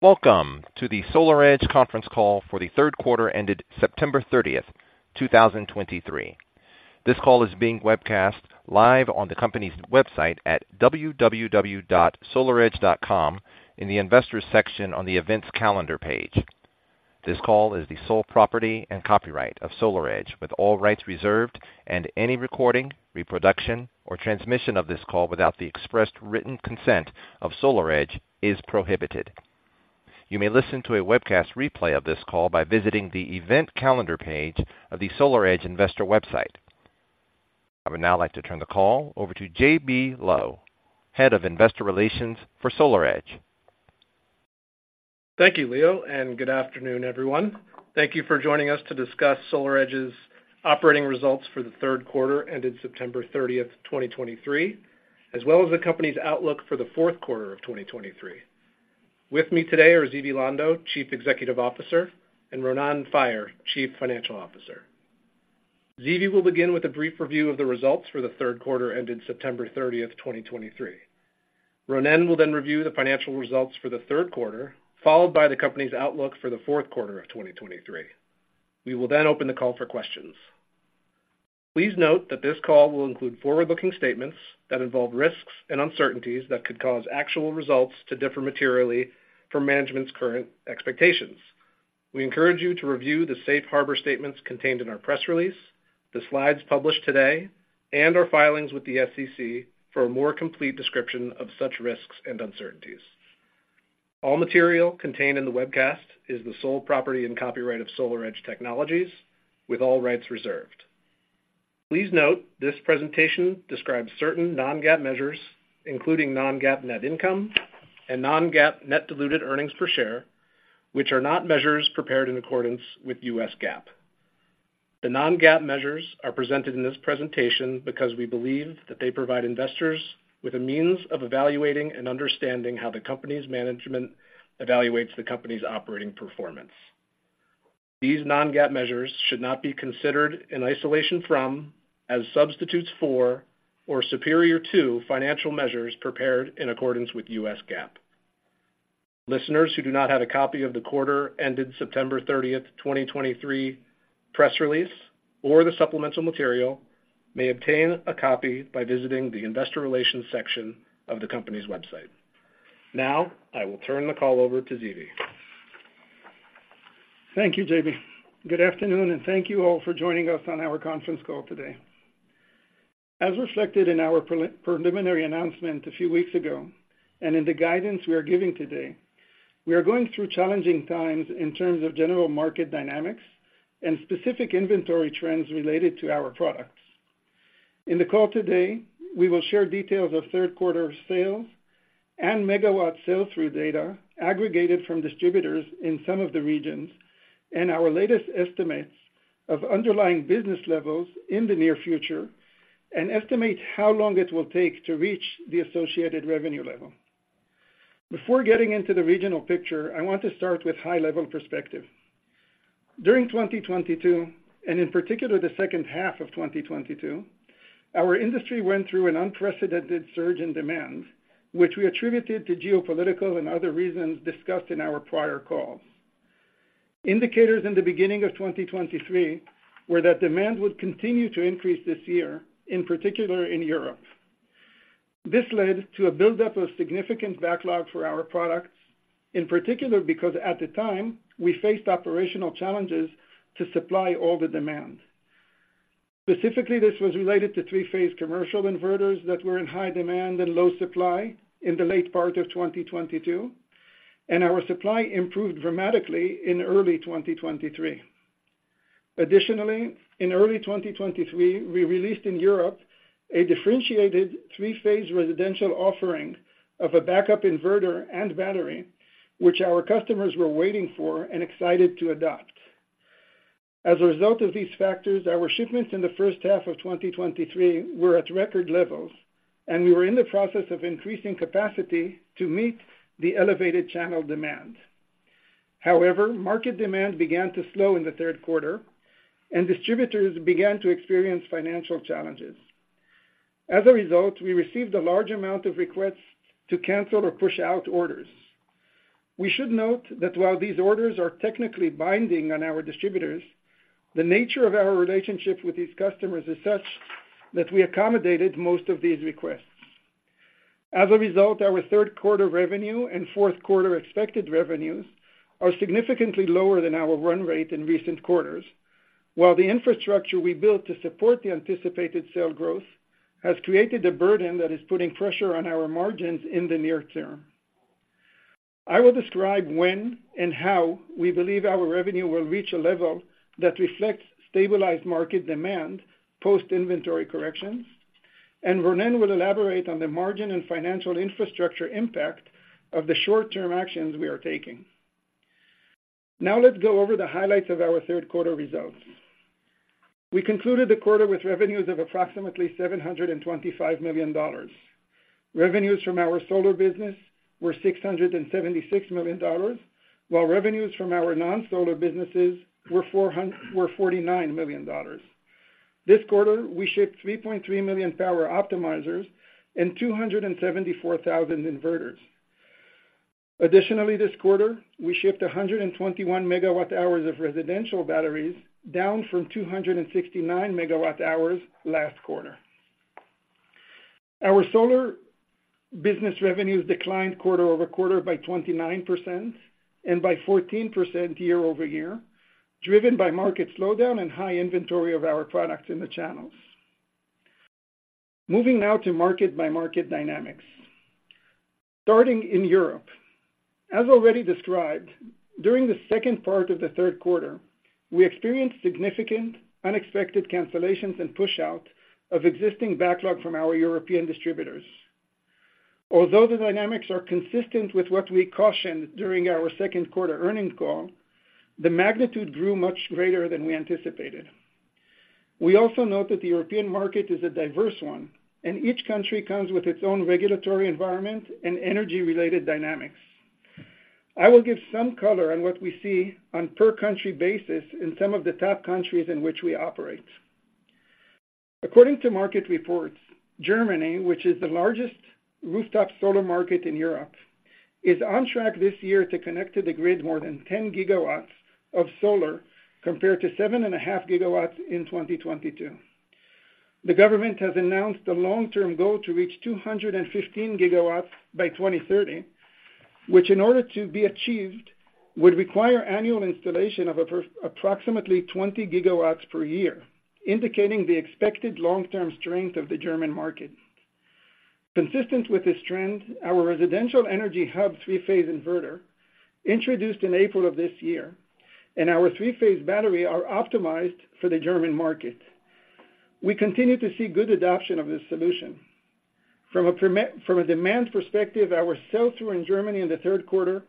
Welcome to the SolarEdge conference call for the Q3 ended September 30, 2023. This call is being webcast live on the company's website at www.solaredge.com in the Investors section on the Events Calendar page. This call is the sole property and copyright of SolarEdge, with all rights reserved, and any recording, reproduction, or transmission of this call without the expressed written consent of SolarEdge is prohibited. You may listen to a webcast replay of this call by visiting the Event Calendar page of the SolarEdge investor website. I would now like to turn the call over to J.B. Lowe, Head of Investor Relations for SolarEdge. Thank you, Leo, and good afternoon, everyone. Thank you for joining us to discuss SolarEdge's operating results for the Q3, ended September 30, 2023, as well as the company's outlook for the Q4 of 2023. With me today are Zvi Lando, Chief Executive Officer, and Ronen Faier, Chief Financial Officer. Zvi will begin with a brief review of the results for the Q3, ended September 30, 2023. Ronen will then review the financial results for the Q3, followed by the company's outlook for the Q4 of 2023. We will then open the call for questions. Please note that this call will include forward-looking statements that involve risks and uncertainties that could cause actual results to differ materially from management's current expectations. We encourage you to review the safe harbor statements contained in our press release, the slides published today, and/or filings with the SEC for a more complete description of such risks and uncertainties. All material contained in the webcast is the sole property and copyright of SolarEdge Technologies, with all rights reserved. Please note, this presentation describes certain non-GAAP measures, including non-GAAP net income and non-GAAP net diluted earnings per share, which are not measures prepared in accordance with U.S. GAAP. The non-GAAP measures are presented in this presentation because we believe that they provide investors with a means of evaluating and understanding how the company's management evaluates the company's operating performance. These non-GAAP measures should not be considered in isolation from, as substitutes for, or superior to financial measures prepared in accordance with U.S. GAAP. Listeners who do not have a copy of the quarter ended September 30, 2023, press release or the supplemental material may obtain a copy by visiting the Investor Relations section of the company's website. Now, I will turn the call over to Zvi. Thank you, J.B. Good afternoon, and thank you all for joining us on our conference call today. As reflected in our preliminary announcement a few weeks ago, and in the guidance we are giving today, we are going through challenging times in terms of general market dynamics and specific inventory trends related to our products. In the call today, we will share details of Q3 sales and megawatt sell-through data aggregated from distributors in some of the regions, and our latest estimates of underlying business levels in the near future, and estimate how long it will take to reach the associated revenue level. Before getting into the regional picture, I want to start with high-level perspective. During 2022, and in particular, the H2 of 2022, our industry went through an unprecedented surge in demand, which we attributed to geopolitical and other reasons discussed in our prior calls. Indicators in the beginning of 2023 were that demand would continue to increase this year, in particular in Europe. This led to a buildup of significant backlog for our products, in particular, because at the time, we faced operational challenges to supply all the demand. Specifically, this was related to three-phase commercial inverters that were in high demand and low supply in the late part of 2022, and our supply improved dramatically in early 2023. Additionally, in early 2023, we released in Europe a differentiated three-phase residential offering of a backup inverter and battery, which our customers were waiting for and excited to adopt. As a result of these factors, our shipments in the H1 of 2023 were at record levels, and we were in the process of increasing capacity to meet the elevated channel demand. However, market demand began to slow in the Q3, and distributors began to experience financial challenges. As a result, we received a large amount of requests to cancel or push out orders. We should note that while these orders are technically binding on our distributors, the nature of our relationship with these customers is such that we accommodated most of these requests. As a result, our Q3 revenue and Q4 expected revenues are significantly lower than our run rate in recent quarters, while the infrastructure we built to support the anticipated sale growth has created a burden that is putting pressure on our margins in the near term. I will describe when and how we believe our revenue will reach a level that reflects stabilized market demand, post-inventory corrections, and Ronen will elaborate on the margin and financial infrastructure impact of the short-term actions we are taking. Now, let's go over the highlights of our Q3 results. We concluded the quarter with revenues of approximately $725 million. Revenues from our solar business were $676 million, while revenues from our non-solar businesses were $49 million. This quarter, we shipped 3.3 million power optimizers and 274,000 inverters. Additionally, this quarter, we shipped 121 MWh of residential batteries, down from 269 MWh last quarter. Our solar business revenues declined quarter-over-quarter by 29% and by 14% year-over-year, driven by market slowdown and high inventory of our products in the channels. Moving now to market-by-market dynamics. Starting in Europe, as already described, during the second part of the Q3, we experienced significant unexpected cancellations and pushout of existing backlog from our European distributors. Although the dynamics are consistent with what we cautioned during our Q2 earnings call, the magnitude grew much greater than we anticipated. We also note that the European market is a diverse one, and each country comes with its own regulatory environment and energy-related dynamics. I will give some color on what we see on per country basis in some of the top countries in which we operate. According to market reports, Germany, which is the largest rooftop solar market in Europe, is on track this year to connect to the grid more than 10 gigawatts of solar, compared to 7.5 gigawatts in 2022. The government has announced a long-term goal to reach 215 gigawatts by 2030, which, in order to be achieved, would require annual installation of approximately 20 gigawatts per year, indicating the expected long-term strength of the German market. Consistent with this trend, our residential Energy Hub three-phase inverter, introduced in April of this year, and our three-phase battery are optimized for the German market. We continue to see good adoption of this solution. From a demand perspective, our sell-through in Germany in the Q3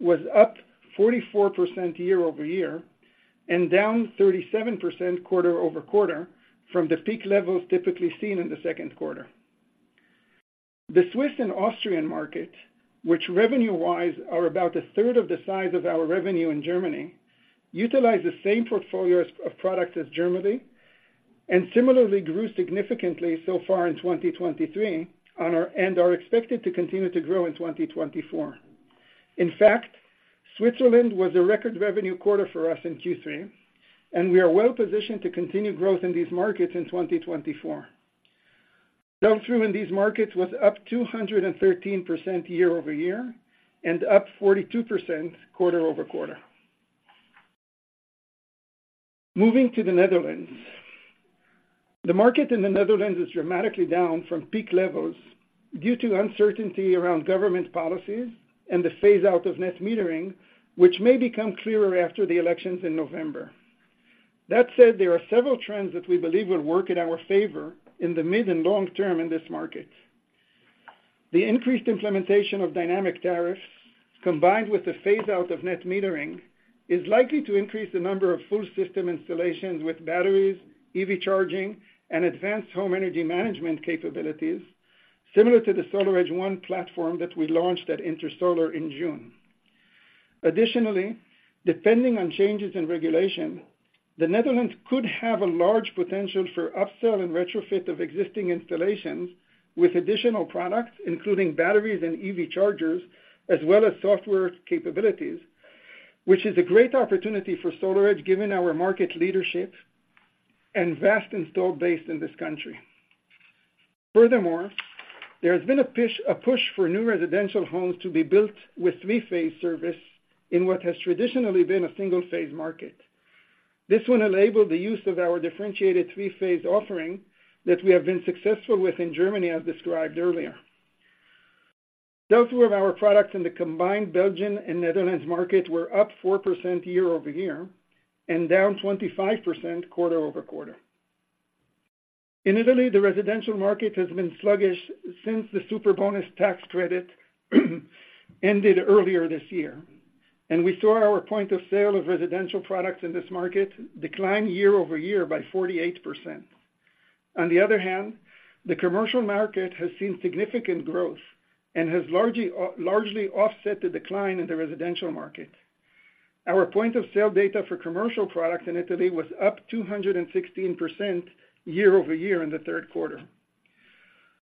was up 44% year-over-year and down 37% quarter-over-quarter from the peak levels typically seen in the Q2. The Swiss and Austrian market, which revenue-wise, are about 1/3 of the size of our revenue in Germany, utilize the same portfolio of products as Germany, and similarly grew significantly so far in 2023 and are expected to continue to grow in 2024. In fact, Switzerland was a record revenue quarter for us in Q3, and we are well positioned to continue growth in these markets in 2024. Sell-through in these markets was up 213% year-over-year and up 42% quarter-over-quarter. Moving to the Netherlands. The market in the Netherlands is dramatically down from peak levels due to uncertainty around government policies and the phaseout of net metering, which may become clearer after the elections in November. That said, there are several trends that we believe will work in our favor in the mid and long term in this market. The increased implementation of dynamic tariffs, combined with the phaseout of net metering, is likely to increase the number of full system installations with batteries, EV charging, and advanced home energy management capabilities, similar to the SolarEdge ONE platform that we launched at Intersolar in June. Additionally, depending on changes in regulation, the Netherlands could have a large potential for upsell and retrofit of existing installations with additional products, including batteries and EV chargers, as well as software capabilities, which is a great opportunity for SolarEdge, given our market leadership and vast installed base in this country. Furthermore, there has been a push for new residential homes to be built with three-phase service in what has traditionally been a single-phase market. This will enable the use of our differentiated three-phase offering that we have been successful with in Germany, as described earlier. Sell-through of our products in the combined Belgian and Netherlands market were up 4% year-over-year and down 25% quarter-over-quarter. In Italy, the residential market has been sluggish since the Superbonus tax credit ended earlier this year, and we saw our point of sale of residential products in this market decline year-over-year by 48%. On the other hand, the commercial market has seen significant growth and has largely, largely offset the decline in the residential market. Our point of sale data for commercial products in Italy was up 216% year-over-year in the Q3.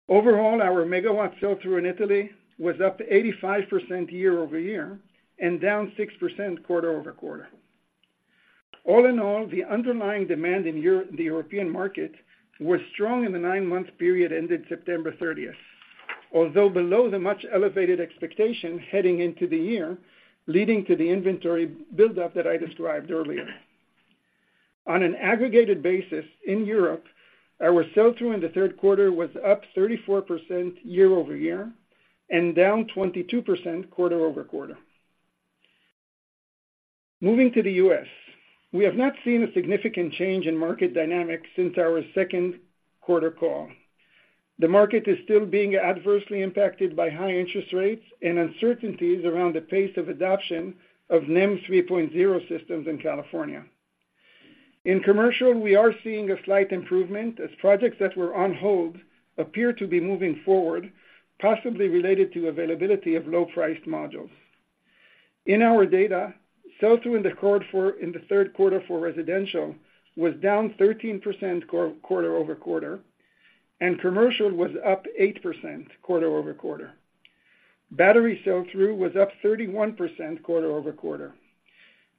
Overall, our megawatt sell-through in Italy was up 85% year-over-year and down 6% quarter-over-quarter. All in all, the underlying demand in the European market was strong in the nine-month period ended September 30, although below the much elevated expectation heading into the year, leading to the inventory buildup that I described earlier. On an aggregated basis, in Europe, our sell-through in the Q3 was up 34% year-over-year and down 22% quarter-over-quarter. Moving to the U.S., we have not seen a significant change in market dynamics since our Q2 call. The market is still being adversely impacted by high interest rates and uncertainties around the pace of adoption of NEM 3.0 systems in California. In commercial, we are seeing a slight improvement as projects that were on hold appear to be moving forward, possibly related to availability of low-priced modules. In our data, sell-through in the Q3 for residential was down 13% quarter-over-quarter, and commercial was up 8% quarter-over-quarter. Battery sell-through was up 31% quarter-over-quarter.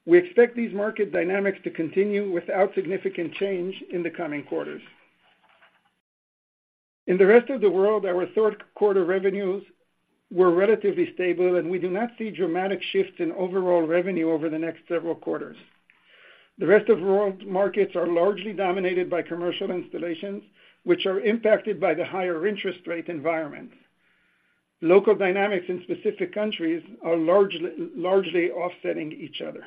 We expect these market dynamics to continue without significant change in the coming quarters. In the rest of the world, our Q3 revenues were relatively stable, and we do not see dramatic shifts in overall revenue over the next several quarters. The rest of world markets are largely dominated by commercial installations, which are impacted by the higher interest rate environment. Local dynamics in specific countries are largely offsetting each other.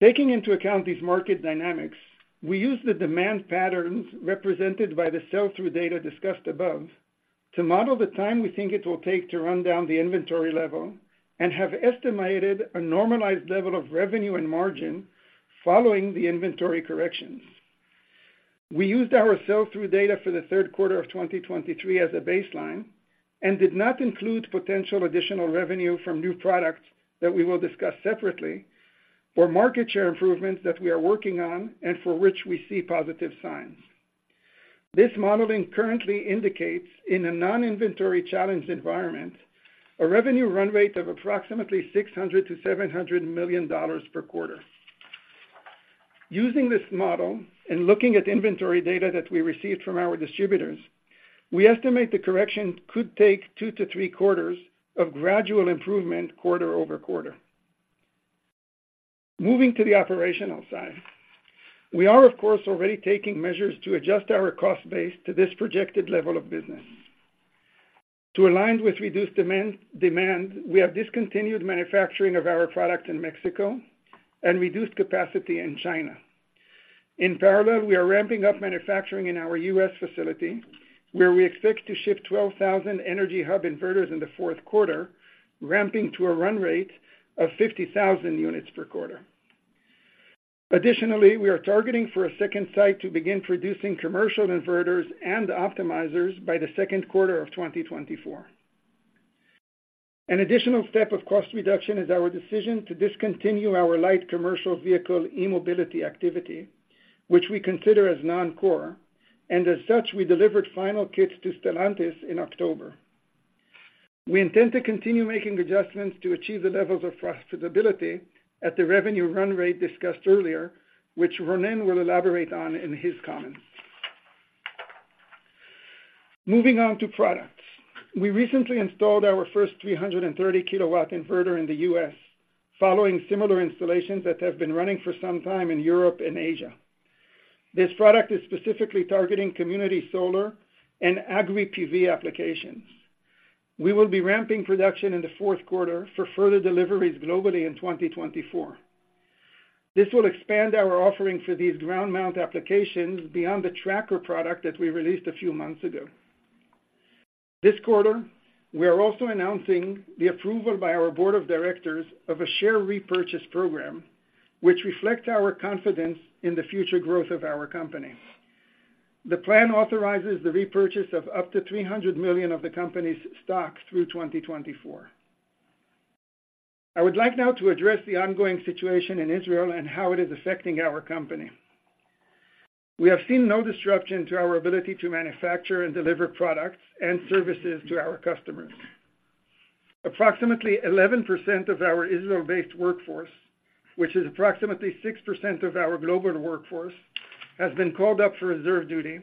Taking into account these market dynamics, we use the demand patterns represented by the sell-through data discussed above, to model the time we think it will take to run down the inventory level and have estimated a normalized level of revenue and margin following the inventory corrections. We used our sell-through data for the Q3 of 2023 as a baseline and did not include potential additional revenue from new products that we will discuss separately, for market share improvements that we are working on and for which we see positive signs. This modeling currently indicates, in a non-inventory challenged environment, a revenue run rate of approximately $600 million-$700 million per quarter. Using this model and looking at inventory data that we received from our distributors, we estimate the correction could take two to three quarters of gradual improvement quarter-over-quarter. Moving to the operational side, we are, of course, already taking measures to adjust our cost base to this projected level of business. To align with reduced demand, we have discontinued manufacturing of our products in Mexico and reduced capacity in China. In parallel, we are ramping up manufacturing in our U.S. facility, where we expect to ship 12,000 Energy Hub inverters in the Q4, ramping to a run rate of 50,000 units per quarter. Additionally, we are targeting for a second site to begin producing commercial inverters and optimizers by the Q2 of 2024. An additional step of cost reduction is our decision to discontinue our light commercial vehicle, e-Mobility activity, which we consider as non-core, and as such, we delivered final kits to Stellantis in October. We intend to continue making adjustments to achieve the levels of profitability at the revenue run rate discussed earlier, which Ronen will elaborate on in his comments. Moving on to products. We recently installed our first 330-kilowatt inverter in the U.S., following similar installations that have been running for some time in Europe and Asia. This product is specifically targeting Community Solar and Agri-PV applications. We will be ramping production in the Q4 for further deliveries globally in 2024. This will expand our offering for these ground mount applications beyond the tracker product that we released a few months ago. This quarter, we are also announcing the approval by our board of directors of a share repurchase program, which reflects our confidence in the future growth of our company. The plan authorizes the repurchase of up to $300 million of the company's stock through 2024. I would like now to address the ongoing situation in Israel and how it is affecting our company. We have seen no disruption to our ability to manufacture and deliver products and services to our customers. Approximately 11% of our Israel-based workforce, which is approximately 6% of our global workforce, has been called up for reserve duty,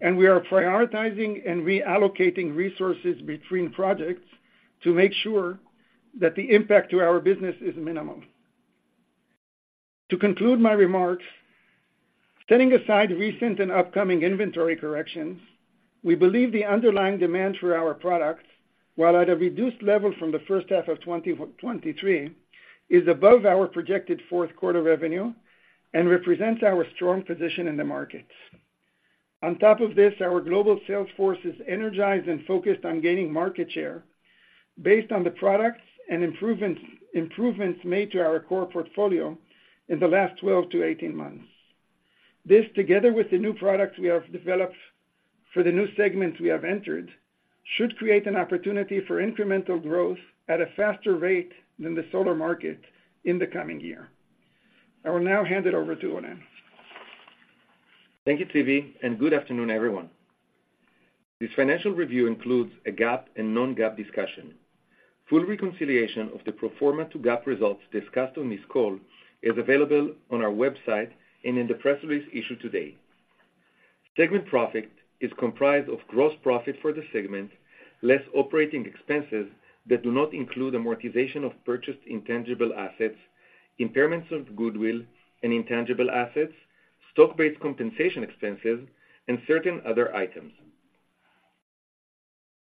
and we are prioritizing and reallocating resources between projects to make sure that the impact to our business is minimal. To conclude my remarks, setting aside recent and upcoming inventory corrections, we believe the underlying demand for our products, while at a reduced level from the H1 of 2023, is above our projected Q4 revenue and represents our strong position in the market. On top of this, our global sales force is energized and focused on gaining market share based on the products and improvements, improvements made to our core portfolio in the last 12-18 months. This, together with the new products we have developed for the new segments we have entered, should create an opportunity for incremental growth at a faster rate than the solar market in the coming year. I will now hand it over to Ronen. Thank you, Zvi, and good afternoon, everyone. This financial review includes a GAAP and non-GAAP discussion. Full reconciliation of the pro forma to GAAP results discussed on this call is available on our website and in the press release issued today. Segment profit is comprised of gross profit for the segment, less operating expenses that do not include amortization of purchased intangible assets, impairments of goodwill and intangible assets, stock-based compensation expenses, and certain other items.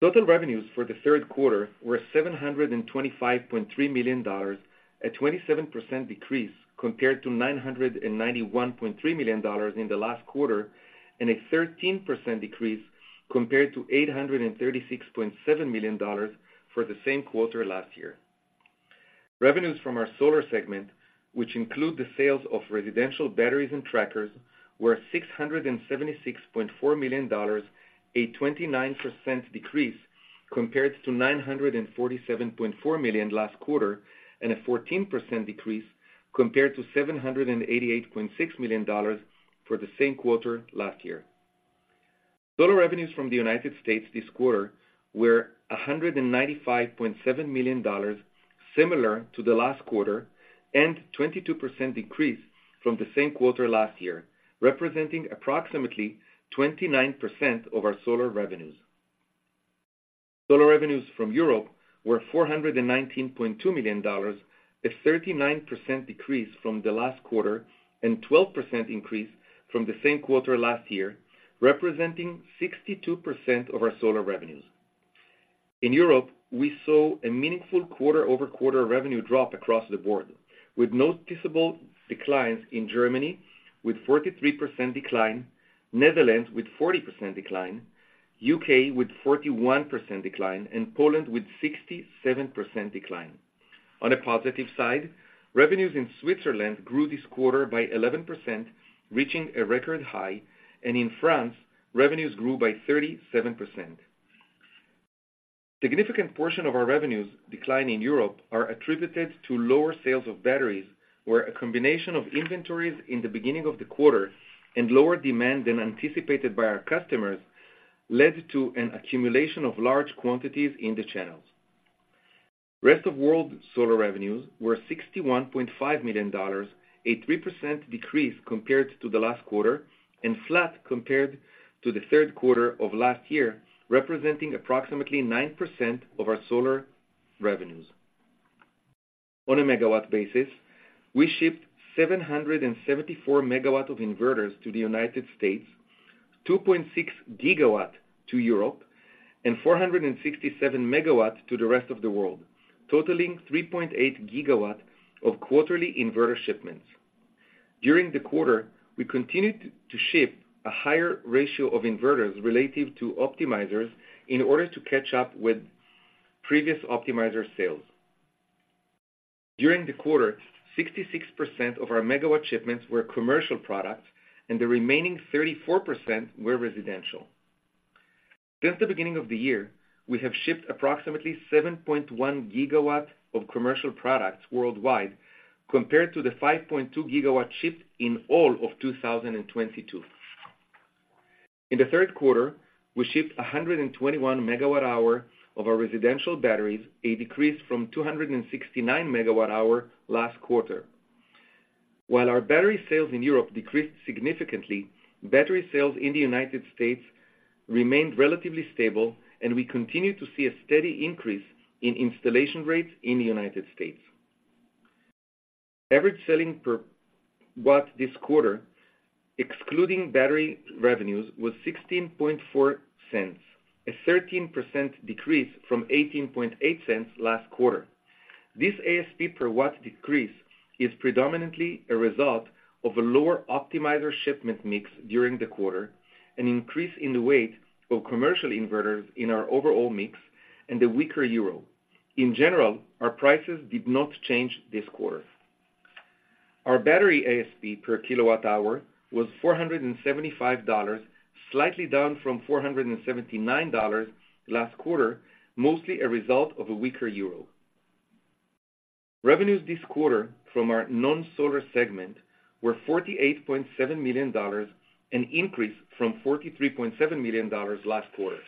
Total revenues for the Q3 were $725.3 million, a 27% decrease compared to $991.3 million in the last quarter, and a 13% decrease compared to $836.7 million for the same quarter last year.... Revenues from our solar segment, which include the sales of residential batteries and trackers, were $676.4 million, a 29% decrease compared to $947.4 million last quarter, and a 14% decrease compared to $788.6 million for the same quarter last year. Solar revenues from the United States this quarter were $195.7 million, similar to the last quarter, and 22% increase from the same quarter last year, representing approximately 29% of our solar revenues. Solar revenues from Europe were $419.2 million, a 39% decrease from the last quarter and 12% increase from the same quarter last year, representing 62% of our solar revenues. In Europe, we saw a meaningful quarter-over-quarter revenue drop across the board, with noticeable declines in Germany, with 43% decline, Netherlands with 40% decline, U.K. with 41% decline, and Poland with 67% decline. On a positive side, revenues in Switzerland grew this quarter by 11%, reaching a record high, and in France, revenues grew by 37%. Significant portion of our revenues decline in Europe are attributed to lower sales of batteries, where a combination of inventories in the beginning of the quarter and lower demand than anticipated by our customers led to an accumulation of large quantities in the channels. Rest of world solar revenues were $61.5 million, a 3% decrease compared to the last quarter, and flat compared to the Q3 of last year, representing approximately 9% of our solar revenues. On a megawatt basis, we shipped 774 MW of inverters to the United States, 2.6GW to Europe, and 467 MW to the rest of the world, totaling 3.8GW of quarterly inverter shipments. During the quarter, we continued to ship a higher ratio of inverters relative to optimizers in order to catch up with previous optimizer sales. During the quarter, 66% of our MW shipments were commercial products, and the remaining 34% were residential. Since the beginning of the year, we have shipped approximately 7.1 GW of commercial products worldwide, compared to the 5.2 GW shipped in all of 2022. In the Q3, we shipped 121 MWh of our residential batteries, a decrease from 269 MWh last quarter. While our battery sales in Europe decreased significantly, battery sales in the United States remained relatively stable, and we continue to see a steady increase in installation rates in the United States. Average selling per watt this quarter, excluding battery revenues, was $0.164, a 13% decrease from $0.188 last quarter. This ASP per watt decrease is predominantly a result of a lower optimizer shipment mix during the quarter, an increase in the weight of commercial inverters in our overall mix, and the weaker euro. In general, our prices did not change this quarter. Our battery ASP per kilowatt hour was $475, slightly down from $479 last quarter, mostly a result of a weaker euro. Revenues this quarter from our non-solar segment were $48.7 million, an increase from $43.7 million last quarter.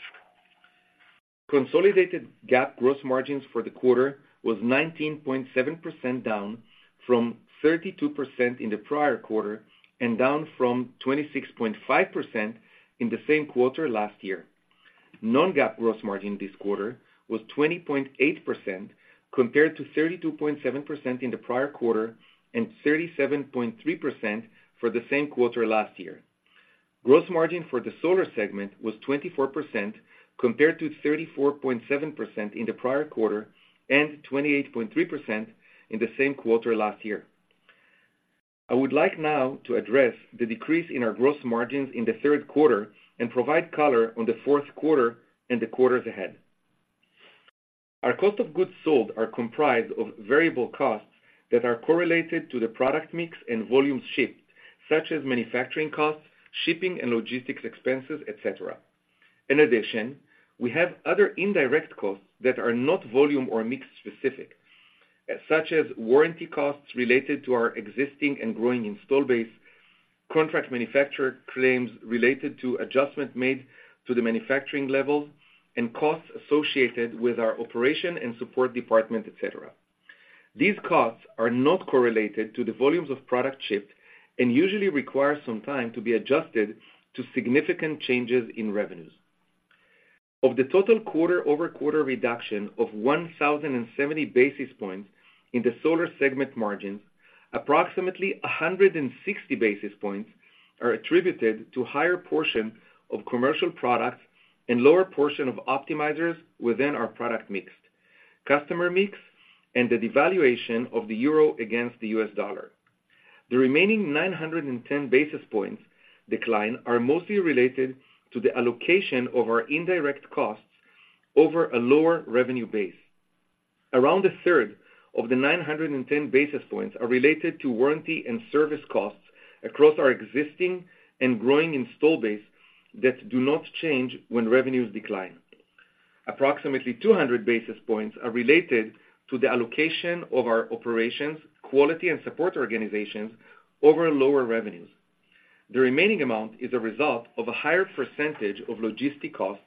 Consolidated GAAP gross margins for the quarter was 19.7%, down from 32% in the prior quarter and down from 26.5% in the same quarter last year. Non-GAAP gross margin this quarter was 20.8%, compared to 32.7% in the prior quarter and 37.3% for the same quarter last year. Gross margin for the solar segment was 24%, compared to 34.7% in the prior quarter and 28.3% in the same quarter last year. I would like now to address the decrease in our gross margins in the Q3 and provide color on the Q4 and the quarters ahead. Our cost of goods sold are comprised of variable costs that are correlated to the product mix and volume shipped, such as manufacturing costs, shipping and logistics expenses, et cetera. In addition, we have other indirect costs that are not volume or mix specific, such as warranty costs related to our existing and growing install base, contract manufacturer claims related to adjustment made to the manufacturing levels, and costs associated with our operation and support department, et cetera. These costs are not correlated to the volumes of product shipped and usually require some time to be adjusted to significant changes in revenues. Of the total quarter-over-quarter reduction of 1,070 basis points in the solar segment margins, approximately 160 basis points are attributed to higher portion of commercial products and lower portion of optimizers within our product mix, customer mix, and the devaluation of the euro against the U.S. dollar. The remaining 910 basis points decline are mostly related to the allocation of our indirect costs over a lower revenue base. Around a third of the 910 basis points are related to warranty and service costs across our existing and growing install base that do not change when revenues decline. Approximately 200 basis points are related to the allocation of our operations, quality, and support organizations over lower revenues. The remaining amount is a result of a higher percentage of logistic costs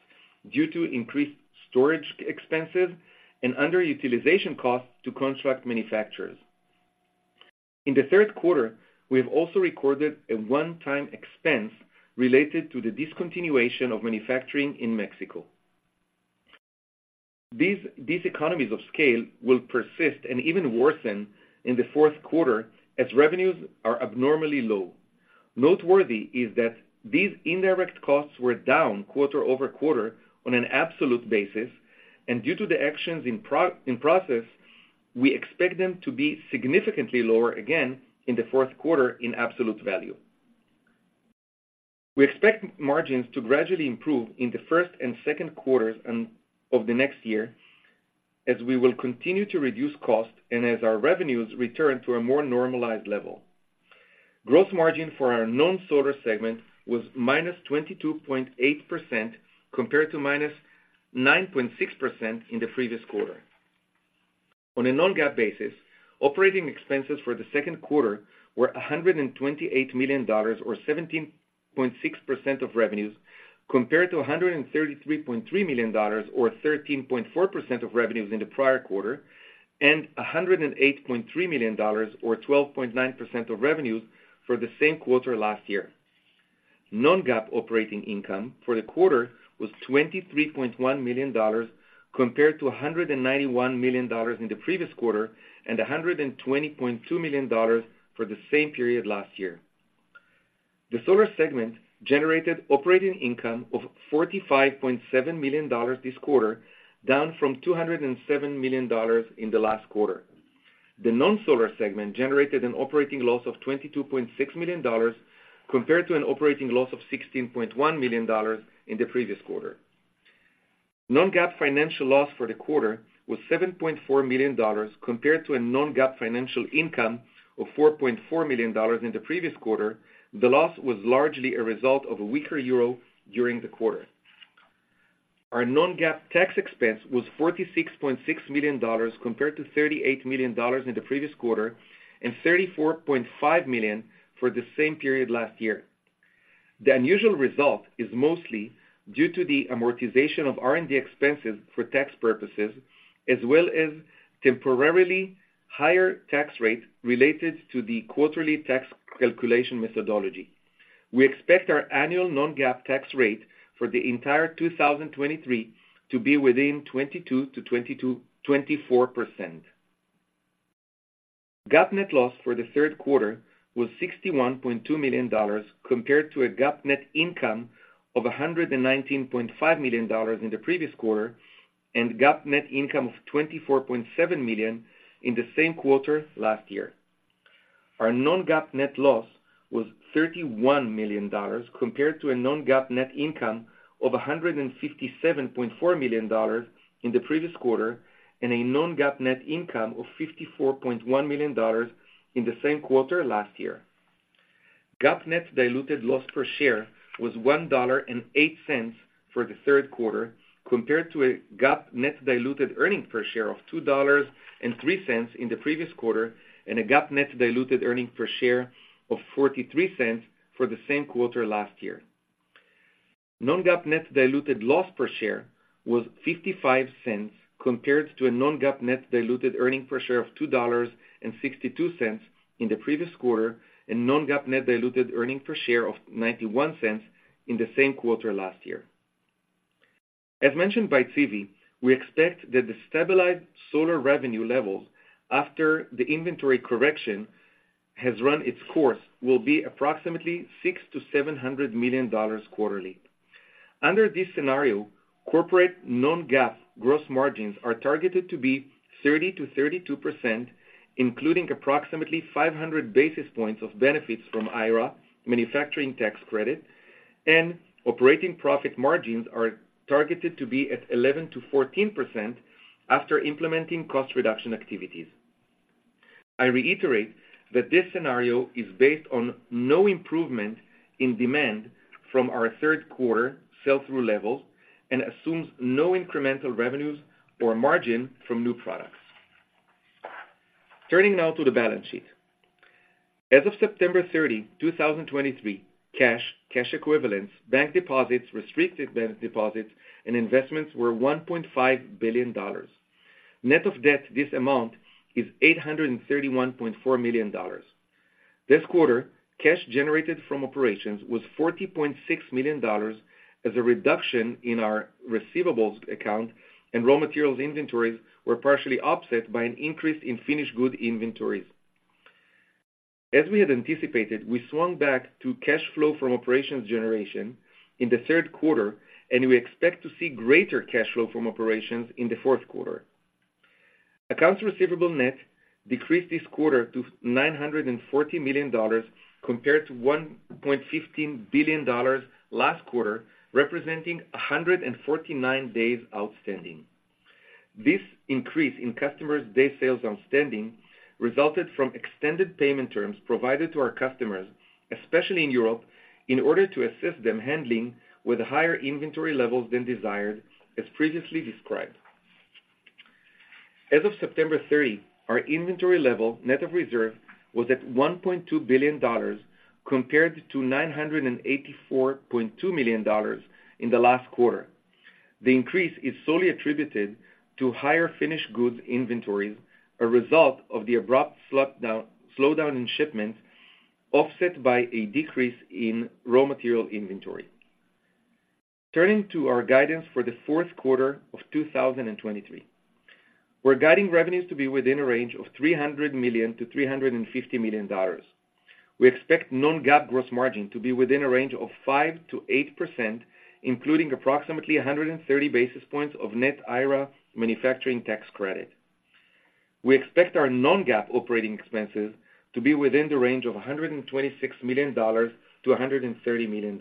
due to increased storage expenses and underutilization costs to contract manufacturers. In the Q3, we have also recorded a one-time expense related to the discontinuation of manufacturing in Mexico. These economies of scale will persist and even worsen in the Q4 as revenues are abnormally low. Noteworthy is that these indirect costs were down quarter-over-quarter on an absolute basis, and due to the actions in process, we expect them to be significantly lower again in the Q4 in absolute value. We expect margins to gradually improve in the first and Q2 and of the next year, as we will continue to reduce costs and as our revenues return to a more normalized level. Gross margin for our non-solar segment was -22.8%, compared to -9.6% in the previous quarter. On a non-GAAP basis, operating expenses for the Q2 were $128 million, or 17.6% of revenues, compared to $133.3 million, or 13.4% of revenues in the prior quarter, and $108.3 million, or 12.9% of revenues for the same quarter last year. Non-GAAP operating income for the quarter was $23.1 million, compared to $191 million in the previous quarter, and $120.2 million for the same period last year. The solar segment generated operating income of $45.7 million this quarter, down from $207 million in the last quarter. The non-solar segment generated an operating loss of $22.6 million, compared to an operating loss of $16.1 million in the previous quarter. Non-GAAP financial loss for the quarter was $7.4 million, compared to a non-GAAP financial income of $4.4 million in the previous quarter. The loss was largely a result of a weaker euro during the quarter. Our non-GAAP tax expense was $46.6 million, compared to $38 million in the previous quarter, and $34.5 million for the same period last year. The unusual result is mostly due to the amortization of R&D expenses for tax purposes, as well as temporarily higher tax rate related to the quarterly tax calculation methodology. We expect our annual non-GAAP tax rate for the entire 2023 to be within 22%-24%. GAAP net loss for the Q3 was $61.2 million, compared to a GAAP net income of $119.5 million in the previous quarter, and GAAP net income of $24.7 million in the same quarter last year. Our non-GAAP net loss was $31 million, compared to a non-GAAP net income of $157.4 million in the previous quarter, and a non-GAAP net income of $54.1 million in the same quarter last year. GAAP net diluted loss per share was $1.08 for the Q3, compared to a GAAP net diluted earnings per share of $2.03 in the previous quarter, and a GAAP net diluted earnings per share of $0.43 for the same quarter last year. Non-GAAP net diluted loss per share was $0.55, compared to a non-GAAP net diluted earnings per share of $2.62 in the previous quarter, and non-GAAP net diluted earnings per share of $0.91 in the same quarter last year. As mentioned by Zvi, we expect that the stabilized solar revenue levels after the inventory correction has run its course, will be approximately $600 million-$700 million quarterly. Under this scenario, corporate Non-GAAP gross margins are targeted to be 30%-32%, including approximately 500 basis points of benefits from IRA manufacturing tax credit, and operating profit margins are targeted to be at 11%-14% after implementing cost reduction activities. I reiterate that this scenario is based on no improvement in demand from our Q3 sell-through levels and assumes no incremental revenues or margin from new products. Turning now to the balance sheet. As of September 30, 2023, cash, cash equivalents, bank deposits, restricted bank deposits, and investments were $1.5 billion. Net of debt, this amount is $831.4 million. This quarter, cash generated from operations was $40.6 million, as a reduction in our receivables account and raw materials inventories were partially offset by an increase in finished good inventories. As we had anticipated, we swung back to cash flow from operations generation in the Q3, and we expect to see greater cash flow from operations in the Q4. Accounts receivable net decreased this quarter to $940 million compared to $1.15 billion last quarter, representing 149 days outstanding. This increase in customers' day sales outstanding resulted from extended payment terms provided to our customers, especially in Europe, in order to assist them handling with higher inventory levels than desired, as previously described. As of September 30, our inventory level, net of reserve, was at $1.2 billion, compared to $984.2 million in the last quarter. The increase is solely attributed to higher finished goods inventories, a result of the abrupt slowdown in shipments, offset by a decrease in raw material inventory. Turning to our guidance for the Q4 of 2023. We're guiding revenues to be within a range of $300 million-$350 million. We expect non-GAAP gross margin to be within a range of 5%-8%, including approximately 130 basis points of net IRA manufacturing tax credit. We expect our non-GAAP operating expenses to be within the range of $126 million-$130 million.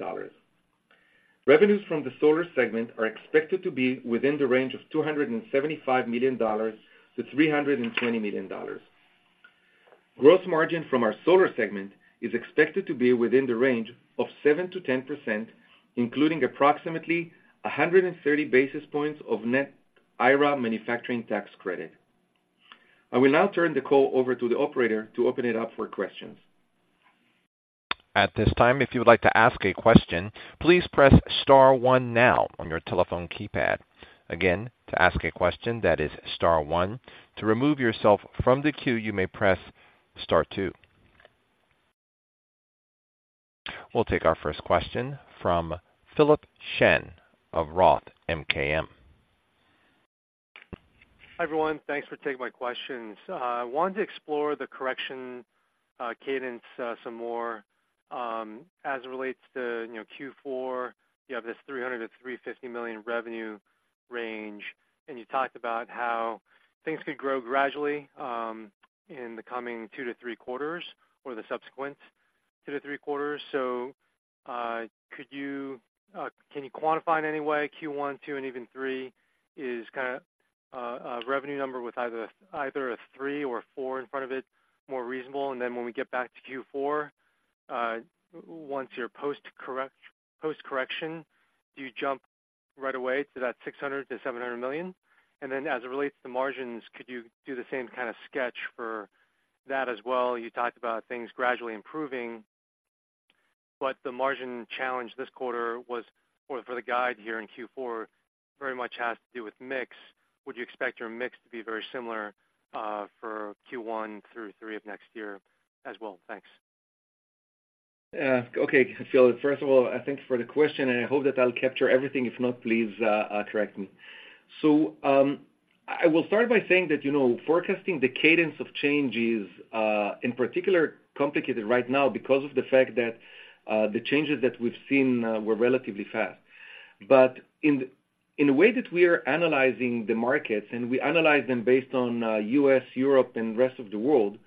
Revenues from the solar segment are expected to be within the range of $275 million-$320 million. Gross margin from our solar segment is expected to be within the range of 7%-10%, including approximately 130 basis points of net IRA manufacturing tax credit. I will now turn the call over to the operator to open it up for questions. At this time, if you would like to ask a question, please press star one now on your telephone keypad. Again, to ask a question that is star one. To remove yourself from the queue, you may press star two. We'll take our first question from Philip Shen of Roth MKM. Hi, everyone. Thanks for taking my questions. I wanted to explore the correction cadence some more as it relates to, you know, Q4. You have this $300 million-$350 million revenue range, and you talked about how things could grow gradually in the coming two-three quarters or the subsequent two-three quarters. So, could you can you quantify in any way Q1, Q2, and even Q3 is kind of a revenue number with either, either a three or a four in front of it, more reasonable? And then when we get back to Q4, once you're post corre- post correction, do you jump right away to that $600 million-$700 million? And then as it relates to margins, could you do the same kind of sketch for that as well? You talked about things gradually improving, but the margin challenge this quarter was, or for the guide here in Q4, very much has to do with mix. Would you expect your mix to be very similar, for Q1 through three of next year as well? Thanks. Okay, Philip. First of all, thank you for the question, and I hope that I'll capture everything. If not, please, correct me. So, I will start by saying that, you know, forecasting the cadence of change is, in particular, complicated right now because of the fact that the changes that we've seen were relatively fast. But in a way that we are analyzing the markets, and we analyze them based on U.S., Europe, and rest of the world,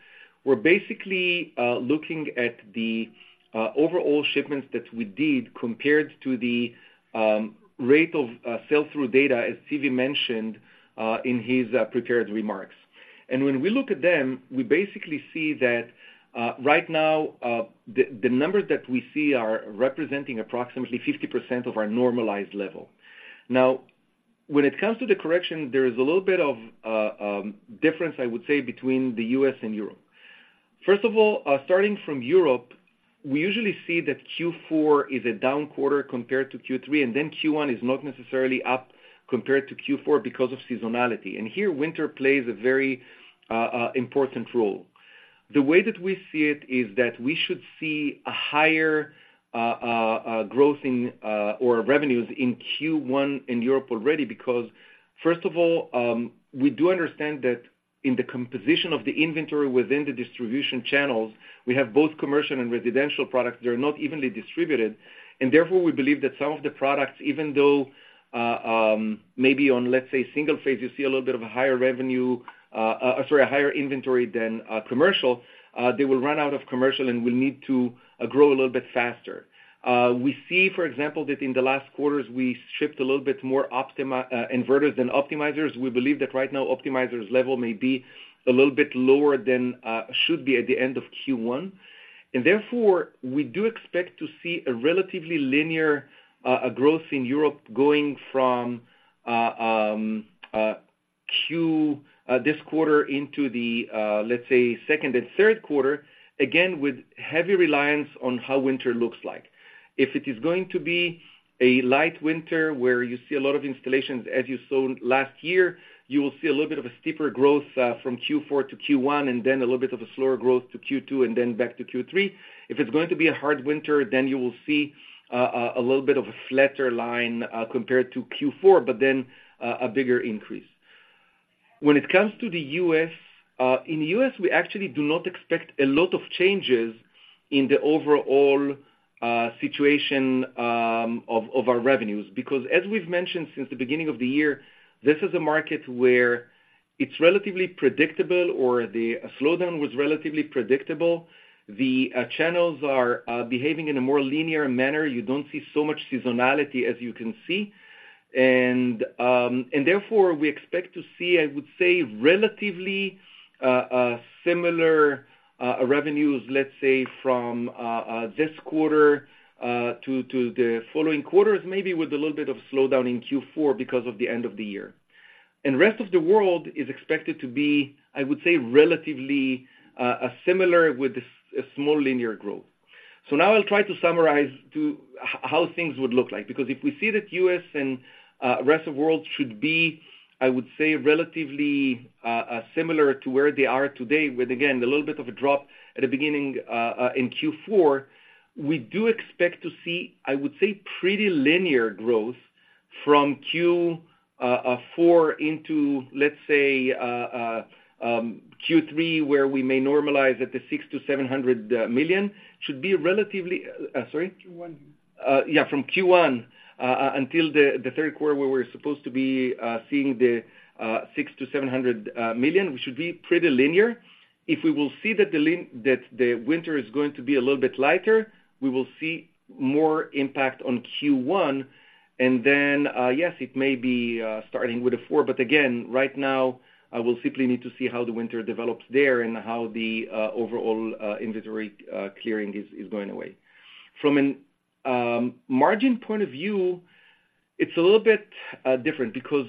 we're basically looking at the overall shipments that we did compared to the rate of sell-through data, as Zvi mentioned in his prepared remarks. And when we look at them, we basically see that right now the numbers that we see are representing approximately 50% of our normalized level. Now, when it comes to the correction, there is a little bit of difference, I would say, between the U.S. and Europe. First of all, starting from Europe, we usually see that Q4 is a down quarter compared to Q3, and then Q1 is not necessarily up compared to Q4 because of seasonality. And here, winter plays a very important role. The way that we see it is that we should see a higher growth in or revenues in Q1 in Europe already, because first of all, we do understand that in the composition of the inventory within the distribution channels, we have both commercial and residential products. They're not evenly distributed, and therefore, we believe that some of the products, even though maybe on, let's say, single-phase, you see a little bit of a higher revenue, sorry, a higher inventory than commercial. They will run out of commercial and will need to grow a little bit faster. We see, for example, that in the last quarters, we shipped a little bit more inverters than optimizers. We believe that right now, optimizers level may be a little bit lower than should be at the end of Q1. And therefore, we do expect to see a relatively linear growth in Europe going from this quarter into the, let's say, second and Q3, again, with heavy reliance on how winter looks like. If it is going to be a light winter where you see a lot of installations, as you saw last year, you will see a little bit of a steeper growth from Q4 to Q1, and then a little bit of a slower growth to Q2, and then back to Q3. If it's going to be a hard winter, then you will see a little bit of a flatter line compared to Q4, but then a bigger increase. When it comes to the U.S., in the U.S., we actually do not expect a lot of changes in the overall situation of our revenues, because as we've mentioned since the beginning of the year, this is a market where it's relatively predictable or the slowdown was relatively predictable. The channels are behaving in a more linear manner. You don't see so much seasonality as you can see. Therefore, we expect to see, I would say, relatively similar revenues, let's say, from this quarter to the following quarters, maybe with a little bit of slowdown in Q4 because of the end of the year. Rest of the world is expected to be, I would say, relatively similar with a small linear growth. Now I'll try to summarize how things would look like. Because if we see that U.S. and rest of world should be, I would say, relatively similar to where they are today, with, again, a little bit of a drop at the beginning in Q4, we do expect to see, I would say, pretty linear growth from Q4 into, let's say, Q3, where we may normalize at the $600 million-$700 million. Should be relatively... Sorry? Q1. Yeah, from Q1 until the Q3, where we're supposed to be seeing the $600 million-$700 million, we should be pretty linear. If we will see that the winter is going to be a little bit lighter, we will see more impact on Q1, and then, yes, it may be starting with a four. But again, right now, I will simply need to see how the winter develops there and how the overall inventory clearing is going away. From a margin point of view, it's a little bit different, because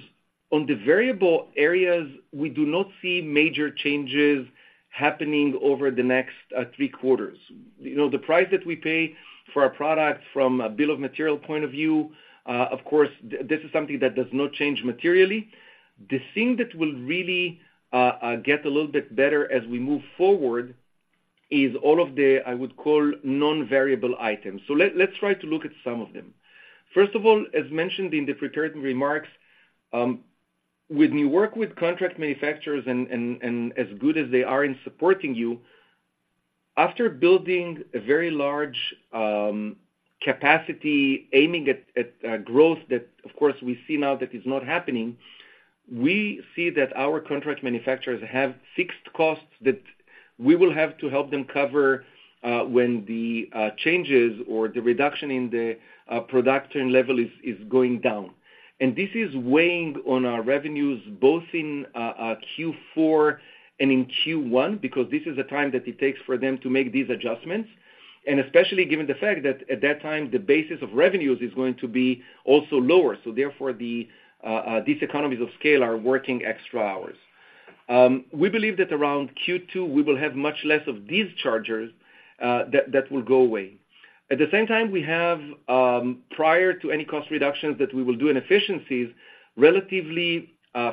on the variable areas, we do not see major changes happening over the next three quarters. You know, the price that we pay for our products from a bill of material point of view, of course, this is something that does not change materially. The thing that will really get a little bit better as we move forward is all of the, I would call, non-variable items. So let's try to look at some of them. First of all, as mentioned in the prepared remarks, when you work with contract manufacturers and as good as they are in supporting you, after building a very large capacity, aiming at growth, that, of course, we see now that is not happening, we see that our contract manufacturers have fixed costs that we will have to help them cover, when the changes or the reduction in the production level is going down. And this is weighing on our revenues, both in Q4 and in Q1, because this is the time that it takes for them to make these adjustments, and especially given the fact that at that time, the basis of revenues is going to be also lower. So therefore, these economies of scale are working extra hours. We believe that around Q2, we will have much less of these chargers that will go away. At the same time, we have, prior to any cost reductions that we will do in efficiencies, relatively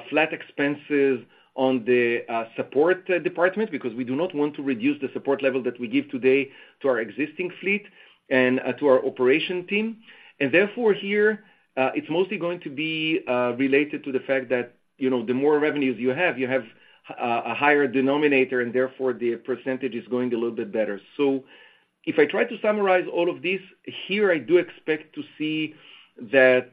flat expenses on the support department, because we do not want to reduce the support level that we give today to our existing fleet and to our operation team. And therefore, here, it's mostly going to be related to the fact that, you know, the more revenues you have, you have a higher denominator, and therefore, the percentage is going a little bit better. So if I try to summarize all of this, here, I do expect to see that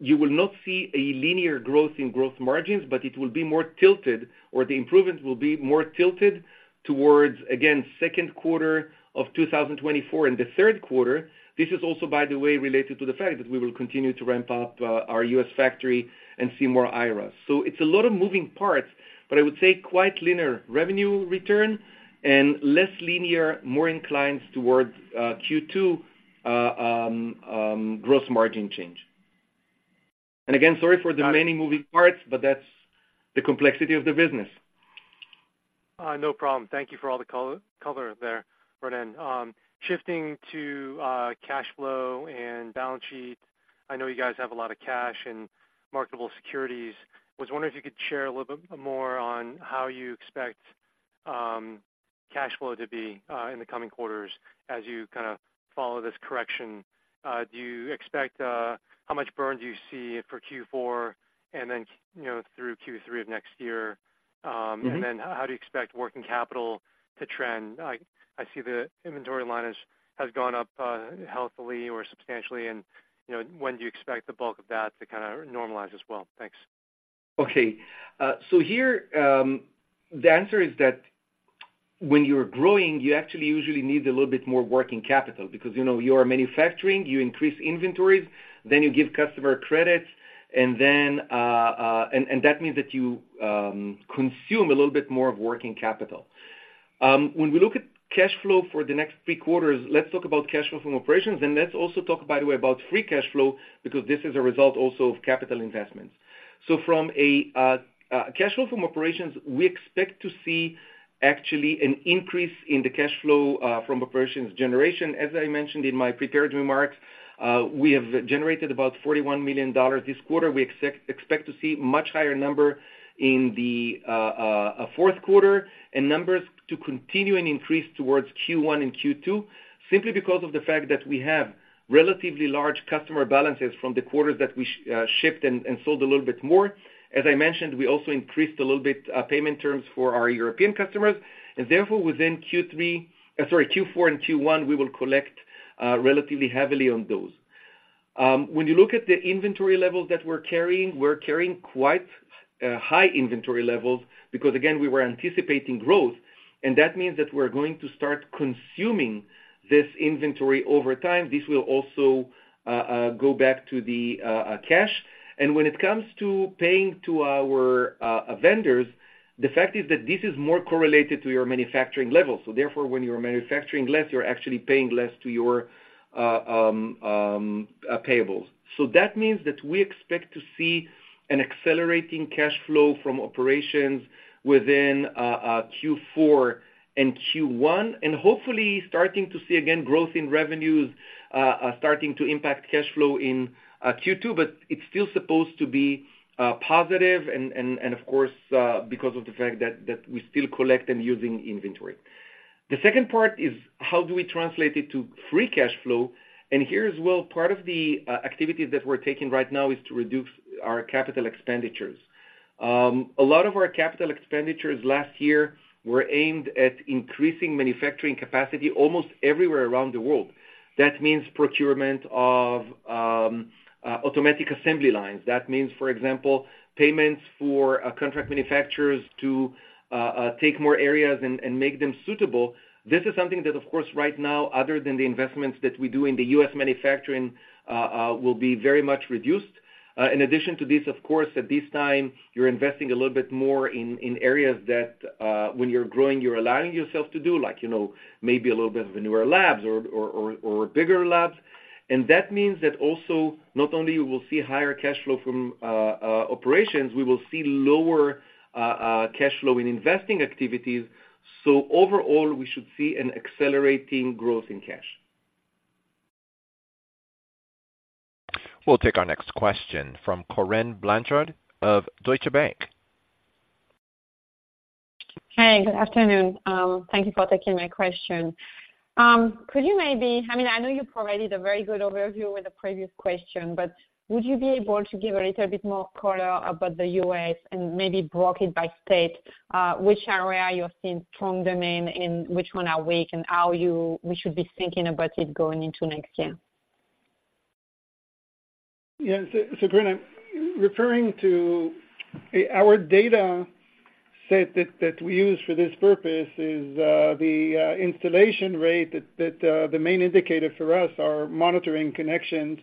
you will not see a linear growth in growth margins, but it will be more tilted, or the improvement will be more tilted towards, again, Q2 of 2024 and the Q3. This is also, by the way, related to the fact that we will continue to ramp up our U.S. factory and see more IRAs. So it's a lot of moving parts, but I would say quite linear revenue return and less linear, more inclined towards Q2 gross margin change. Again, sorry for the many moving parts, but that's the complexity of the business. No problem. Thank you for all the coverage there, Ronen. Shifting to cash flow and balance sheet. I know you guys have a lot of cash and marketable securities. Was wondering if you could share a little bit more on how you expect cash flow to be in the coming quarters as you kinda follow this correction. Do you expect... How much burn do you see for Q4, and then you know, through Q3 of next year? Mm-hmm. And then how do you expect working capital to trend? I see the inventory line has gone up healthily or substantially. And, you know, when do you expect the bulk of that to kinda normalize as well? Thanks. Okay. So here, the answer is that when you're growing, you actually usually need a little bit more working capital because, you know, you are manufacturing, you increase inventories, then you give customer credits, and then, and that means that you consume a little bit more of working capital. When we look at cash flow for the next three quarters, let's talk about cash flow from operations, and let's also talk, by the way, about free cash flow, because this is a result also of capital investments. So from a cash flow from operations, we expect to see actually an increase in the cash flow from operations generation. As I mentioned in my prepared remarks, we have generated about $41 million this quarter. We expect to see much higher number in the Q4 and numbers to continue and increase towards Q1 and Q2, simply because of the fact that we have relatively large customer balances from the quarters that we shipped and sold a little bit more. As I mentioned, we also increased a little bit payment terms for our European customers, and therefore, within Q3, sorry, Q4 and Q1, we will collect relatively heavily on those.... When you look at the inventory levels that we're carrying, we're carrying quite high inventory levels because, again, we were anticipating growth, and that means that we're going to start consuming this inventory over time. This will also go back to the cash. And when it comes to paying to our vendors, the fact is that this is more correlated to your manufacturing levels. So therefore, when you're manufacturing less, you're actually paying less to your payables. So that means that we expect to see an accelerating cash flow from operations within Q4 and Q1, and hopefully starting to see, again, growth in revenues starting to impact cash flow in Q2, but it's still supposed to be positive and, and, and of course, because of the fact that we still collect and using inventory. The second part is, how do we translate it to free cash flow? And here as well, part of the activities that we're taking right now is to reduce our capital expenditures. A lot of our capital expenditures last year were aimed at increasing manufacturing capacity almost everywhere around the world. That means procurement of automatic assembly lines. That means, for example, payments for contract manufacturers to take more areas and make them suitable. This is something that of course, right now, other than the investments that we do in the U.S. manufacturing, will be very much reduced. In addition to this, of course, at this time, you're investing a little bit more in areas that, when you're growing, you're allowing yourself to do, like, you know, maybe a little bit of newer labs or bigger labs. And that means that also, not only we'll see higher cash flow from operations, we will see lower cash flow in investing activities. So overall, we should see an accelerating growth in cash. We'll take our next question from Corinne Blanchard of Deutsche Bank. Hi, good afternoon. Thank you for taking my question. Could you maybe, I mean, I know you provided a very good overview with the previous question, but would you be able to give a little bit more color about the U.S. and maybe break it by state? Which area you're seeing strong demand and which one are weak, and how we should be thinking about it going into next year? Yes, so Corinne, I'm referring to our data set that we use for this purpose is the installation rate, that the main indicator for us are monitoring connections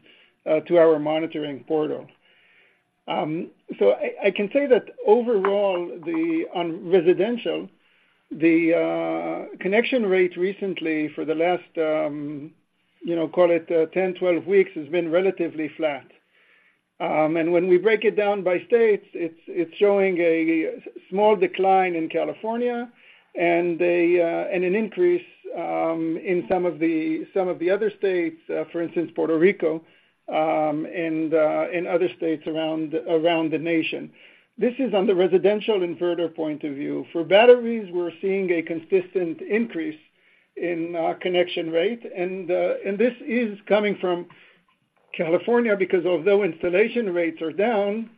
to our monitoring portal. So I can say that overall, the non-residential, the connection rate recently for the last, you know, call it 10, 12 weeks, has been relatively flat. And when we break it down by states, it's showing a small decline in California and an increase in some of the other states, for instance, Puerto Rico, and other states around the nation. This is on the residential inverter point of view. For batteries, we're seeing a consistent increase in connection rate, and this is coming from California, because although installation rates are down,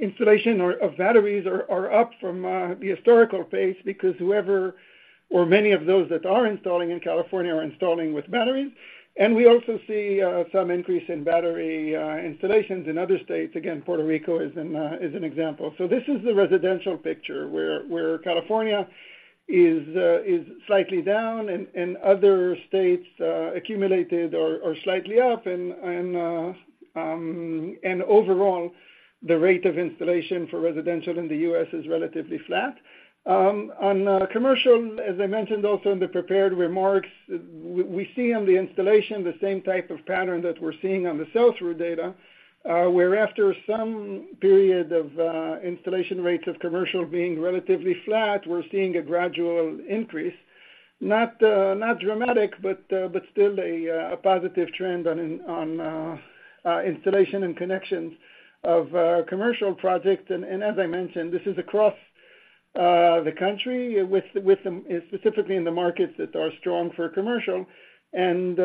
installation of batteries are up from the historical pace, because many of those that are installing in California are installing with batteries. And we also see some increase in battery installations in other states. Again, Puerto Rico is an example. So this is the residential picture, where California is slightly down and other states accumulated or slightly up. And overall, the rate of installation for residential in the U.S. is relatively flat. On commercial, as I mentioned also in the prepared remarks, we see on the installation the same type of pattern that we're seeing on the sell-through data, where after some period of installation rates of commercial being relatively flat, we're seeing a gradual increase. Not dramatic, but still a positive trend on installation and connections of commercial projects. And as I mentioned, this is across the country, with some specifically in the markets that are strong for commercial. And,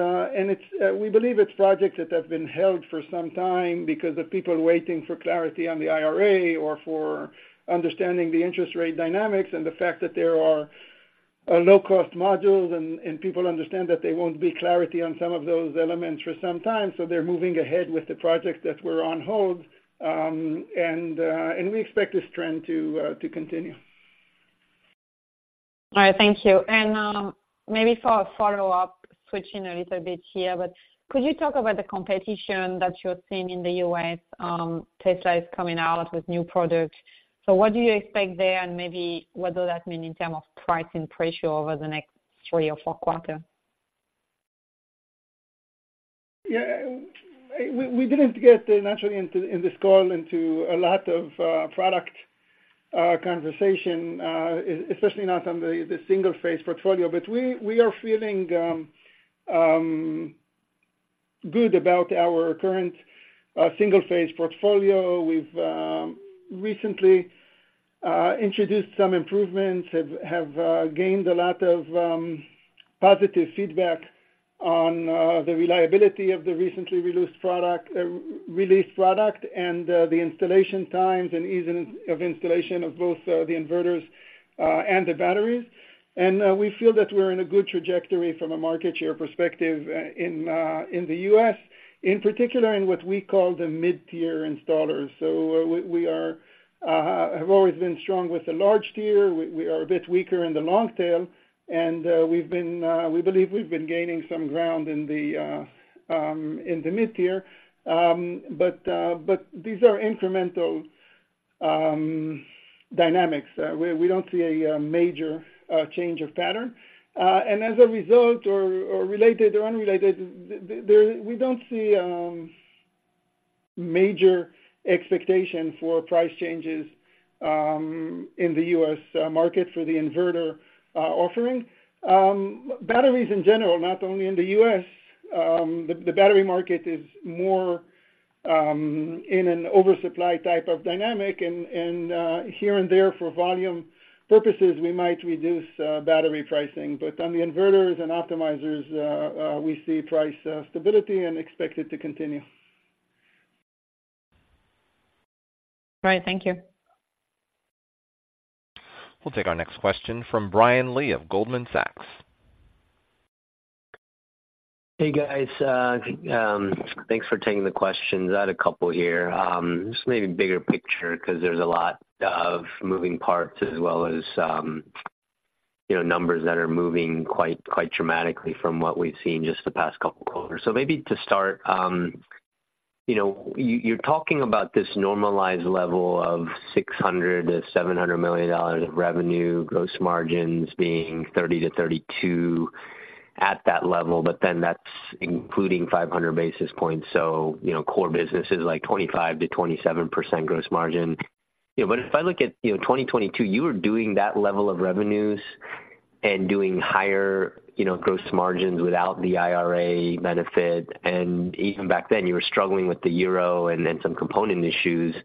we believe it's projects that have been held for some time because of people waiting for clarity on the IRA or for understanding the interest rate dynamics and the fact that there are low-cost modules and people understand that there won't be clarity on some of those elements for some time. So they're moving ahead with the projects that were on hold, and we expect this trend to continue. All right, thank you. And, maybe for a follow-up, switching a little bit here, but could you talk about the competition that you're seeing in the U.S.? Tesla is coming out with new products, so what do you expect there, and maybe what does that mean in terms of pricing pressure over the next three or four quarter? Yeah, we, we didn't get naturally into, in this call, into a lot of product conversation, especially not on the, the single-phase portfolio. But we, we are feeling good about our current single-phase portfolio. We've recently,... Introduced some improvements, have gained a lot of positive feedback on the reliability of the recently released product, released product, and the installation times and ease of installation of both the inverters and the batteries. And we feel that we're in a good trajectory from a market share perspective, in the U.S., in particular, in what we call the mid-tier installers. So we have always been strong with the large tier. We are a bit weaker in the long tail, and we've been, we believe we've been gaining some ground in the mid-tier. But these are incremental dynamics. We don't see a major change of pattern. And as a result or related or unrelated, we don't see major expectation for price changes in the U.S. market for the inverter offering. Batteries in general, not only in the U.S., the battery market is more in an oversupply type of dynamic and here and there for volume purposes, we might reduce battery pricing. But on the inverters and optimizers, we see price stability and expect it to continue. Right. Thank you. We'll take our next question from Brian Lee of Goldman Sachs. Hey, guys. Thanks for taking the questions. I had a couple here. Just maybe bigger picture, 'cause there's a lot of moving parts as well as, you know, numbers that are moving quite, quite dramatically from what we've seen just the past couple quarters. So maybe to start, you know, you're talking about this normalized level of $600 million-$700 million of revenue, gross margins being 30%-32% at that level, but then that's including 500 basis points. So, you know, core business is like 25%-27% gross margin. Yeah, but if I look at, you know, 2022, you were doing that level of revenues and doing higher, you know, gross margins without the IRA benefit. And even back then, you were struggling with the euro and and some component issues,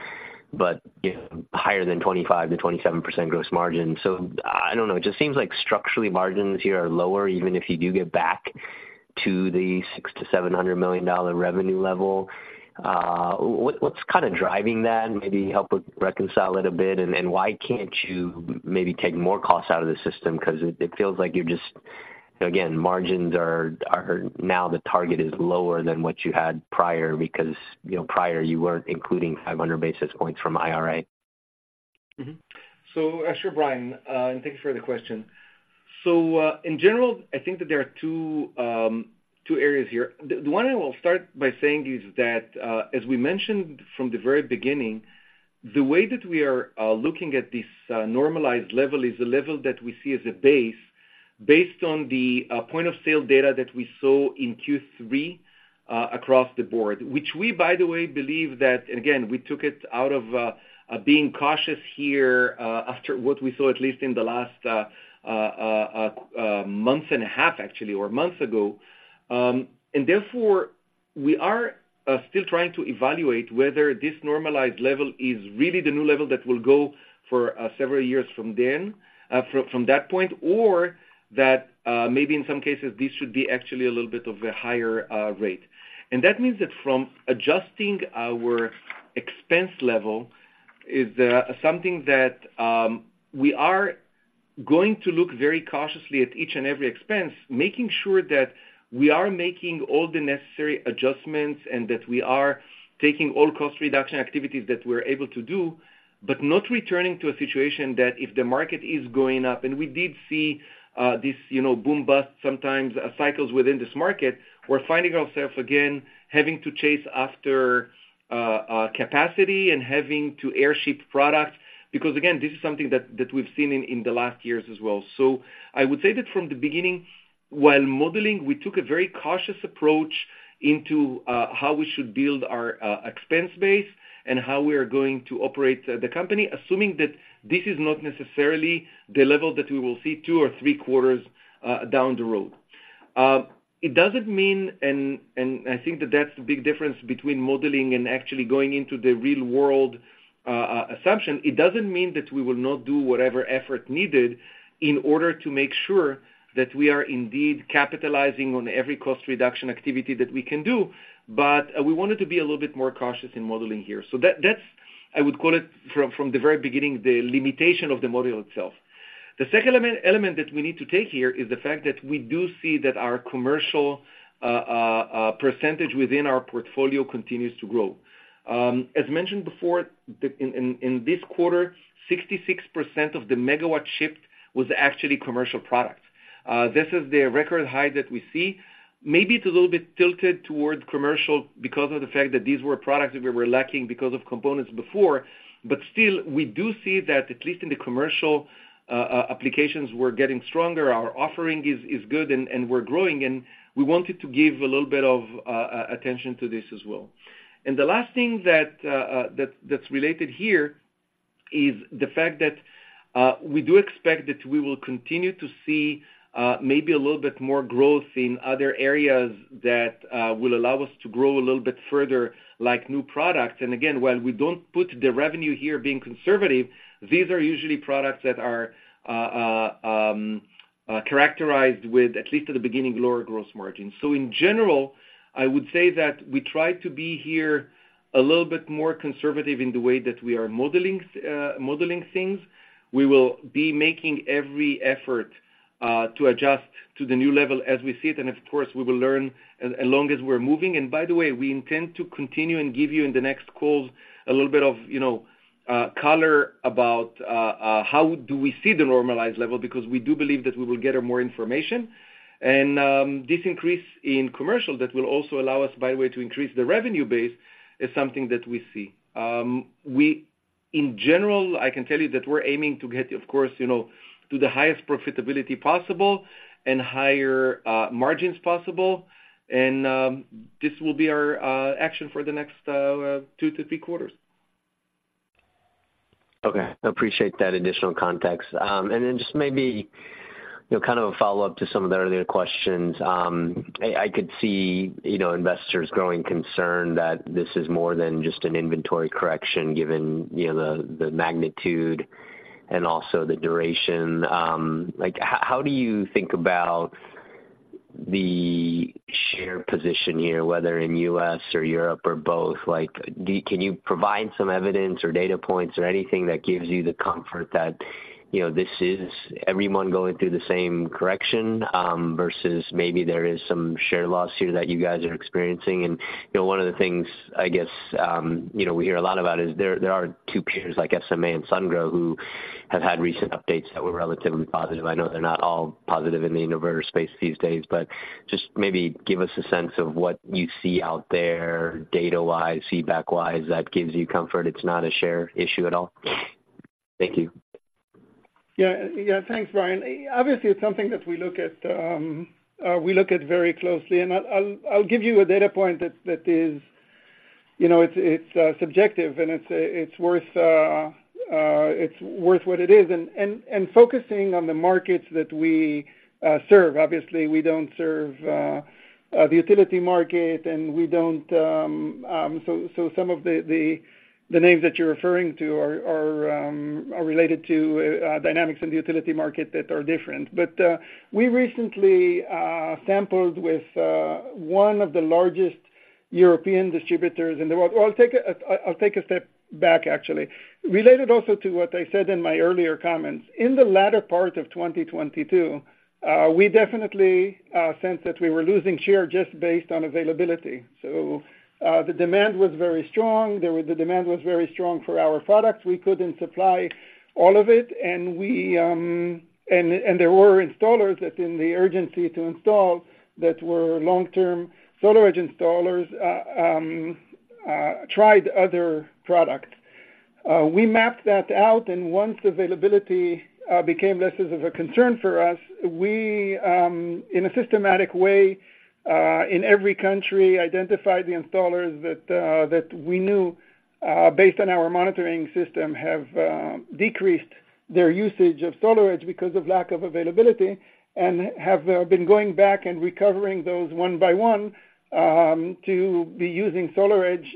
but, you know, higher than 25%-27% gross margin. So I don't know. It just seems like structurally, margins here are lower, even if you do get back to the $600 million-$700 million revenue level. What, what's kinda driving that? And maybe help us reconcile it a bit. And why can't you maybe take more costs out of the system? 'Cause it feels like you're just... Again, margins are now the target is lower than what you had prior, because, you know, prior you weren't including 500 basis points from IRA. Mm-hmm. So, sure, Brian, and thank you for the question. So, in general, I think that there are two, two areas here. The one I will start by saying is that, as we mentioned from the very beginning, the way that we are looking at this normalized level is the level that we see as a base, based on the point of sale data that we saw in Q3, across the board. Which we, by the way, believe that, and again, we took it out of being cautious here, after what we saw, at least in the last month and a half, actually, or months ago. And therefore, we are still trying to evaluate whether this normalized level is really the new level that will go for several years from then, from that point, or that maybe in some cases this should be actually a little bit of a higher rate. And that means that from adjusting our expense level is something that we are going to look very cautiously at each and every expense, making sure that we are making all the necessary adjustments and that we are taking all cost reduction activities that we're able to do, but not returning to a situation that if the market is going up, and we did see this, you know, boom-bust sometimes cycles within this market. We're finding ourselves again, having to chase after capacity and having to air ship product, because again, this is something that we've seen in the last years as well. So I would say that from the beginning, while modeling, we took a very cautious approach into how we should build our expense base and how we are going to operate the company, assuming that this is not necessarily the level that we will see two or three quarters down the road. It doesn't mean, and I think that that's the big difference between modeling and actually going into the real world assumption. It doesn't mean that we will not do whatever effort needed in order to make sure that we are indeed capitalizing on every cost reduction activity that we can do, but we wanted to be a little bit more cautious in modeling here. So that, that's, I would call it from the very beginning, the limitation of the model itself. The second element that we need to take here is the fact that we do see that our commercial percentage within our portfolio continues to grow. As mentioned before, in this quarter, 66% of the megawatts shipped was actually commercial products. This is the record high that we see. Maybe it's a little bit tilted toward commercial because of the fact that these were products that we were lacking because of components before, but still, we do see that at least in the commercial applications, we're getting stronger, our offering is good and we're growing, and we wanted to give a little bit of attention to this as well. And the last thing that's related here is the fact that we do expect that we will continue to see maybe a little bit more growth in other areas that will allow us to grow a little bit further, like new products. And again, while we don't put the revenue here being conservative, these are usually products that are characterized with, at least at the beginning, lower gross margins. So in general, I would say that we try to be here a little bit more conservative in the way that we are modeling things. We will be making every effort to adjust to the new level as we see it, and of course, we will learn as long as we're moving. And by the way, we intend to continue and give you, in the next calls, a little bit of, you know, color about how do we see the normalized level, because we do believe that we will gather more information. And this increase in commercial that will also allow us, by the way, to increase the revenue base, is something that we see. In general, I can tell you that we're aiming to get, of course, you know, to the highest profitability possible and higher margins possible. This will be our action for the next 2-3 quarters. Okay. I appreciate that additional context. And then just maybe, you know, kind of a follow-up to some of the earlier questions. I could see, you know, investors growing concerned that this is more than just an inventory correction, given, you know, the magnitude and also the duration. Like, how do you think about the share position here, whether in U.S. or Europe or both? Like, do you, can you provide some evidence or data points or anything that gives you the comfort that, you know, this is everyone going through the same correction, versus maybe there is some share loss here that you guys are experiencing? And, you know, one of the things I guess, you know, we hear a lot about is, there are two peers, like SMA and Sungrow, who have had recent updates that were relatively positive. I know they're not all positive in the inverter space these days, but just maybe give us a sense of what you see out there data-wise, feedback-wise, that gives you comfort it's not a share issue at all? Thank you. Yeah. Yeah, thanks, Brian. Obviously, it's something that we look at very closely, and I'll give you a data point that is, you know, it's subjective, and it's worth what it is. Focusing on the markets that we serve, obviously, we don't serve the utility market, and we don't... So some of the names that you're referring to are related to dynamics in the utility market that are different. But we recently sampled with one of the largest European distributors, and I'll take a step back, actually. Related also to what I said in my earlier comments, in the latter part of 2022, we definitely sensed that we were losing share just based on availability. So, the demand was very strong. The demand was very strong for our products. We couldn't supply all of it, and there were installers that, in the urgency to install, that were long-term SolarEdge installers, tried other products. We mapped that out, and once availability became less of a concern for us, we in a systematic way in every country identified the installers that we knew based on our monitoring system have decreased their usage of SolarEdge because of lack of availability, and have been going back and recovering those one by one to be using SolarEdge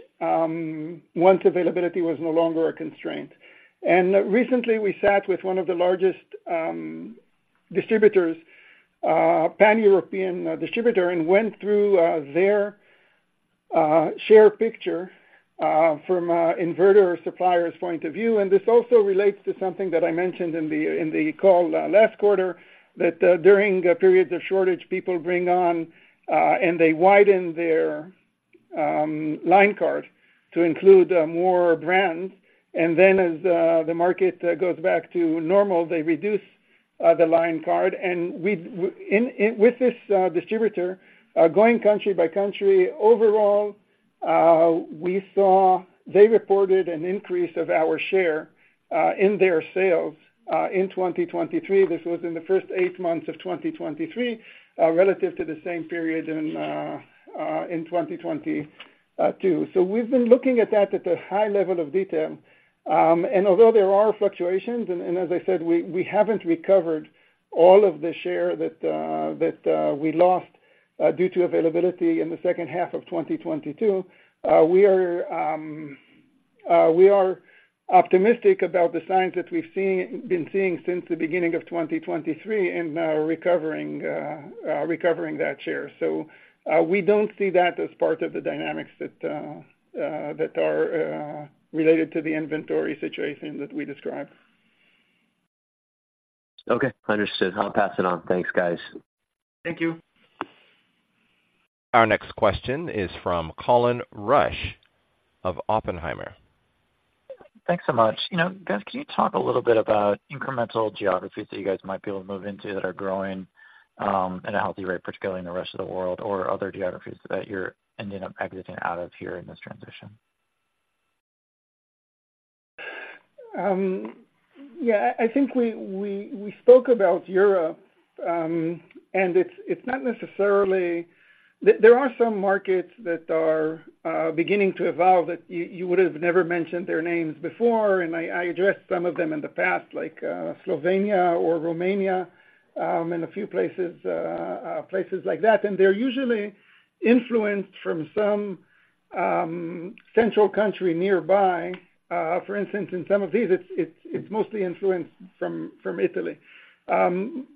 once availability was no longer a constraint. And recently, we sat with one of the largest distributors, pan-European distributor, and went through their share picture from an inverter or supplier's point of view. And this also relates to something that I mentioned in the call last quarter, that during periods of shortage, people bring on and they widen their line card to include more brands. And then as the market goes back to normal, they reduce the line card. And with this distributor, going country by country, overall, we saw they reported an increase of our share in their sales in 2023. This was in the first eight months of 2023, relative to the same period in 2022. So we've been looking at that at a high level of detail. And although there are fluctuations, and as I said, we haven't recovered all of the share that we lost due to availability in the H2 of 2022, we are optimistic about the signs that we've been seeing since the beginning of 2023 in recovering that share. So, we don't see that as part of the dynamics that are related to the inventory situation that we described. Okay, understood. I'll pass it on. Thanks, guys. Thank you. Our next question is from Colin Rusch of Oppenheimer. Thanks so much. You know, guys, can you talk a little bit about incremental geographies that you guys might be able to move into that are growing at a healthy rate, particularly in the rest of the world or other geographies that you're ending up exiting out of here in this transition? Yeah, I think we spoke about Europe. And it's not necessarily. There are some markets that are beginning to evolve that you would've never mentioned their names before, and I addressed some of them in the past, like Slovenia or Romania, and a few places like that. And they're usually influenced from some central country nearby. For instance, in some of these, it's mostly influenced from Italy. And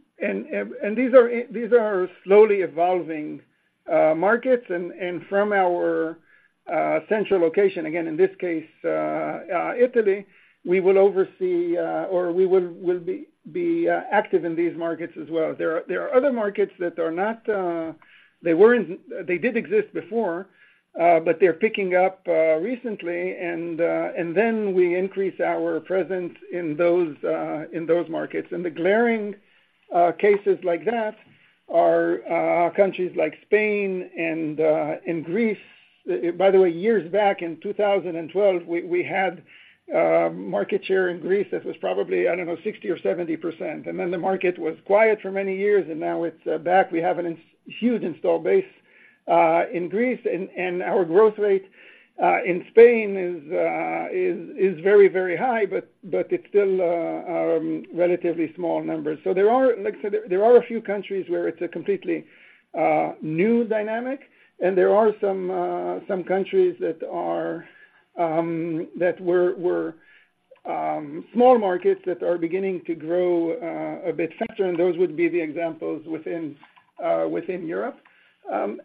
these are slowly evolving markets. And from our central location, again, in this case Italy, we will oversee or we will be active in these markets as well. There are other markets that are not, they weren't—they did exist before, but they're picking up recently, and then we increase our presence in those markets. The glaring cases like that are countries like Spain and Greece. By the way, years back in 2012, we had market share in Greece that was probably, I don't know, 60% or 70%. The market was quiet for many years, and now it's back. We have a huge install base in Greece, and our growth rate in Spain is very, very high, but it's still relatively small numbers. So there are, like I said, there are a few countries where it's a completely new dynamic, and there are some countries that were small markets that are beginning to grow a bit faster, and those would be the examples within Europe.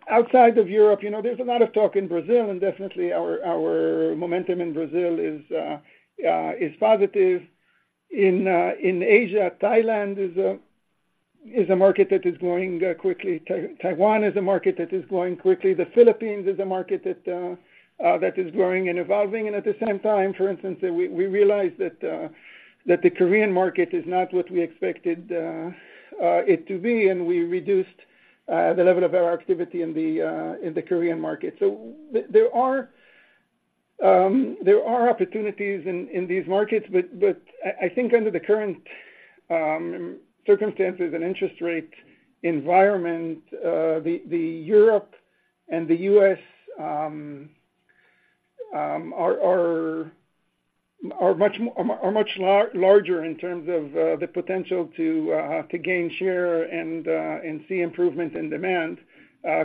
Outside of Europe, you know, there's a lot of talk in Brazil, and definitely our momentum in Brazil is positive. In Asia, Thailand is a market that is growing quickly. Taiwan is a market that is growing quickly. The Philippines is a market that is growing and evolving. And at the same time, for instance, we realize that the Korean market is not what we expected it to be, and we reduced the level of our activity in the Korean market. So there are opportunities in these markets, but I think under the current circumstances and interest rate environment, the Europe and the U.S. are much larger in terms of the potential to gain share and see improvement in demand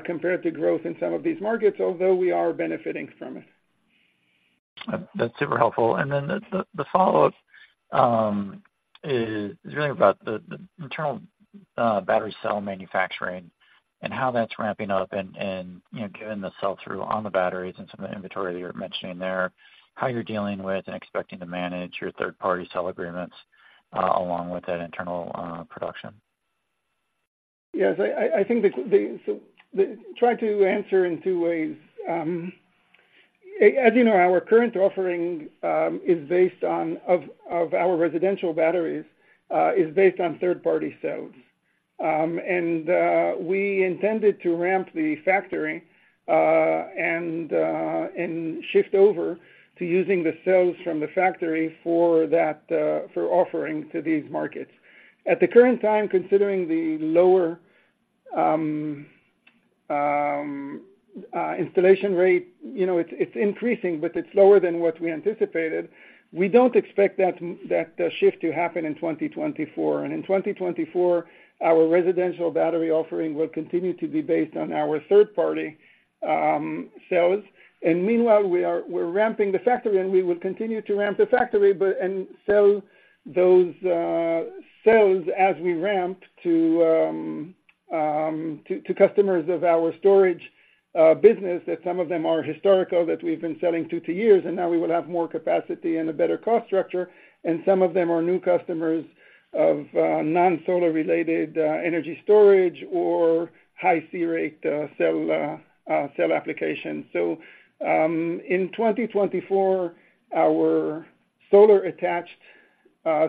compared to growth in some of these markets, although we are benefiting from it. That's super helpful. And then the follow-up is really about the internal battery cell manufacturing and how that's ramping up. And, you know, given the sell-through on the batteries and some of the inventory that you're mentioning there, how you're dealing with and expecting to manage your third-party cell agreements along with that internal production? Yes, I think so try to answer in two ways. As you know, our current offering is based on our residential batteries is based on third-party cells. And we intended to ramp the factory and shift over to using the cells from the factory for that, for offering to these markets. At the current time, considering the lower installation rate, you know, it's increasing, but it's lower than what we anticipated. We don't expect that shift to happen in 2024. And in 2024, our residential battery offering will continue to be based on our third-party cells. And meanwhile, we're ramping the factory, and we will continue to ramp the factory, but and sell those cells as we ramp to customers of our storage business, that some of them are historical, that we've been selling to for years, and now we will have more capacity and a better cost structure. And some of them are new customers of non-solar-related energy storage or high C-rate cell applications. So, in 2024, our solar-attached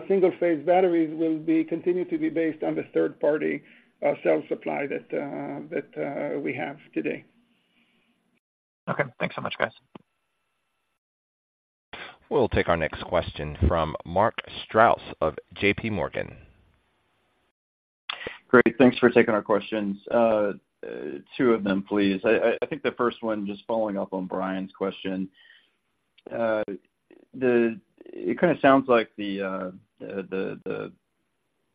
single-phase batteries will be continue to be based on the third-party cell supply that we have today. Okay. Thanks so much, guys. We'll take our next question from Mark Strouse of JPMorgan. Great, thanks for taking our questions. Two of them, please. I think the first one, just following up on Brian's question. The-- it kind of sounds like the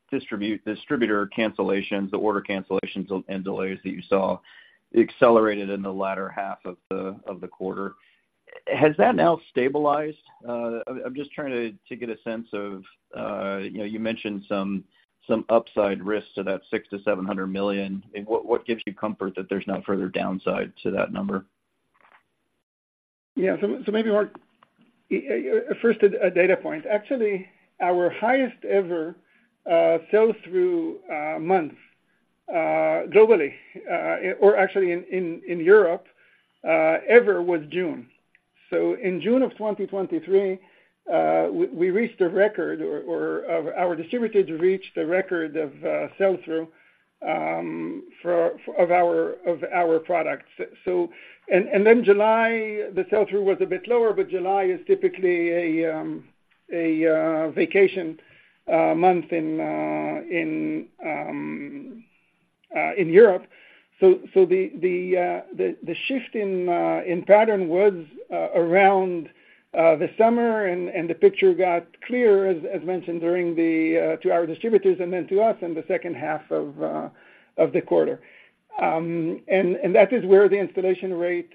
distributor cancellations, the order cancellations and delays that you saw accelerated in the latter half of the quarter. Has that now stabilized? I'm just trying to get a sense of, you know, you mentioned some upside risks to that $600 million-$700 million. What gives you comfort that there's no further downside to that number? Yeah. So maybe, Mark, first, a data point. Actually, our highest ever sell-through month globally, or actually in Europe, ever, was June. So in June 2023, we reached a record or our distributors reached a record of sell-through for our products. So... And then July, the sell-through was a bit lower, but July is typically a vacation month in Europe. So the shift in pattern was around the summer, and the picture got clear, as mentioned, during the to our distributors and then to us in the H2 of the quarter. And that is where the installation rate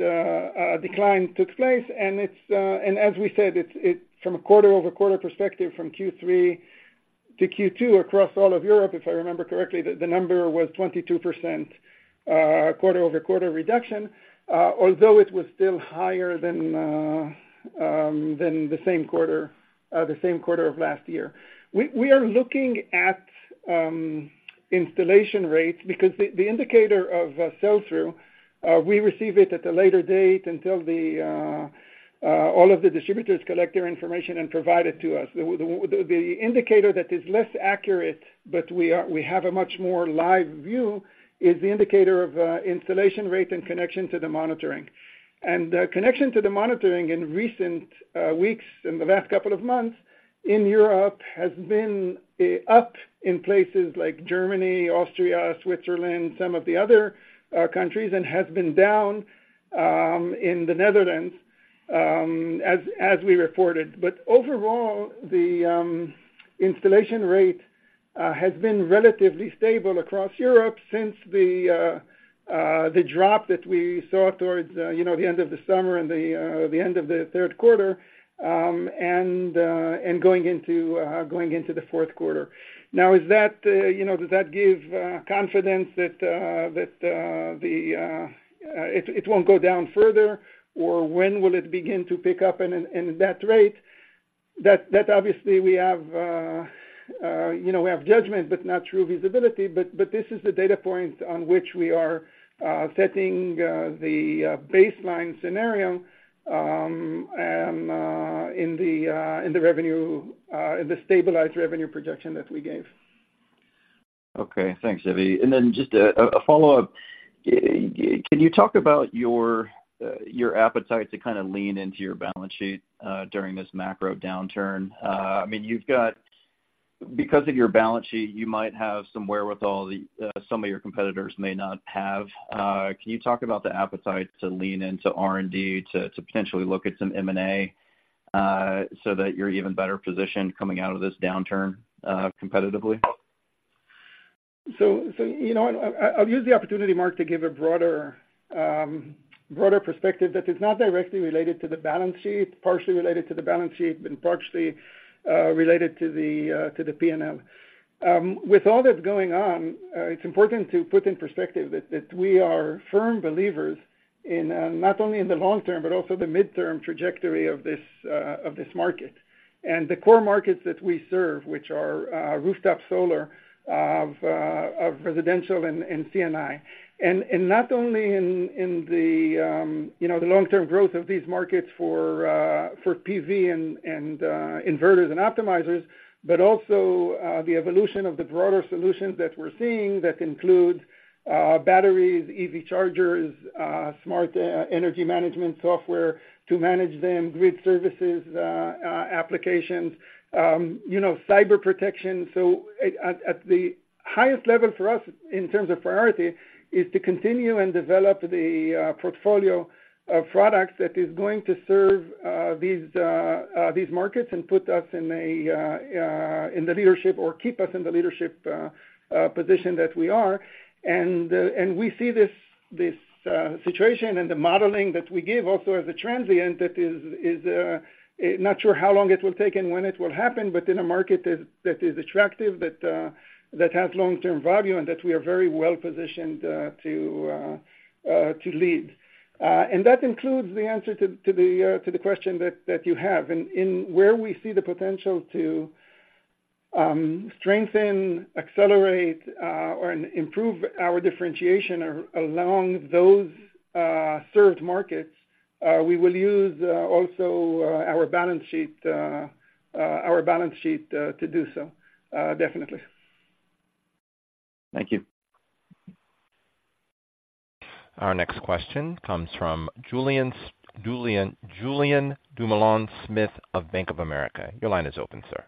decline took place. And as we said, from a quarter-over-quarter perspective, from Q3 to Q2 across all of Europe, if I remember correctly, the number was 22%, quarter-over-quarter reduction, although it was still higher than the same quarter of last year. We are looking at installation rates because the indicator of sell-through we receive at a later date until all of the distributors collect their information and provide it to us. The indicator that is less accurate, but we have a much more live view, is the indicator of installation rate and connection to the monitoring. And the connection to the monitoring in recent weeks, in the last couple of months in Europe, has been up in places like Germany, Austria, Switzerland, some of the other countries, and has been down in the Netherlands, as we reported. But overall, the installation rate has been relatively stable across Europe since the drop that we saw towards you know the end of the summer and the end of the Q3, and going into the Q4. Now, is that you know does that give confidence that it won't go down further? Or when will it begin to pick up? That rate obviously we have, you know, judgment, but not true visibility. But this is the data point on which we are setting the baseline scenario, and in the revenue in the stabilized revenue projection that we gave. Okay. Thanks, Zvi. And then just a follow-up. Can you talk about your appetite to kind of lean into your balance sheet during this macro downturn? I mean, you've got—because of your balance sheet, you might have some wherewithal that some of your competitors may not have. Can you talk about the appetite to lean into R&D, to potentially look at some M&A, so that you're even better positioned coming out of this downturn, competitively? So you know what? I'll use the opportunity, Mark, to give a broader perspective that is not directly related to the balance sheet, partially related to the balance sheet, but partially related to the P&L. With all that's going on, it's important to put in perspective that we are firm believers in not only in the long term, but also the midterm trajectory of this market. And the core markets that we serve, which are rooftop solar of residential and C&I. Not only in the, you know, the long-term growth of these markets for PV and inverters and optimizers, but also the evolution of the broader solutions that we're seeing that include batteries, EV chargers, smart energy management software to manage them, grid services, applications, you know, cyber protection. So at the highest level for us, in terms of priority, is to continue and develop the portfolio of products that is going to serve these markets and put us in the leadership or keep us in the leadership position that we are. And we see this situation and the modeling that we give also as a transient, that is not sure how long it will take and when it will happen, but in a market that is attractive, that has long-term value, and that we are very well positioned to lead. And that includes the answer to the question that you have. And where we see the potential to strengthen, accelerate, or improve our differentiation along those served markets, we will use also our balance sheet to do so, definitely. Thank you. Our next question comes from Julian Dumoulin-Smith of Bank of America. Your line is open, sir.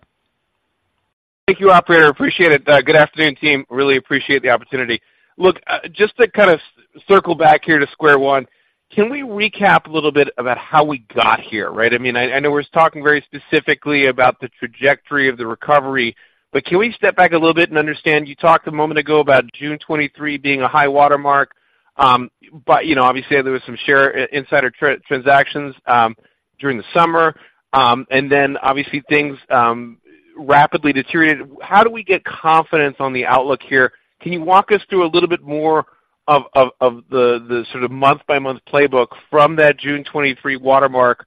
Thank you, operator. Appreciate it. Good afternoon, team. Really appreciate the opportunity. Look, just to kind of circle back here to square one, can we recap a little bit about how we got here, right? I mean, I know we're talking very specifically about the trajectory of the recovery, but can we step back a little bit and understand, you talked a moment ago about June 2023 being a high watermark. But, you know, obviously there was some share insider transactions during the summer. And then obviously, things rapidly deteriorated. How do we get confidence on the outlook here? Can you walk us through a little bit more of the sort of month-by-month playbook from that June 2023 watermark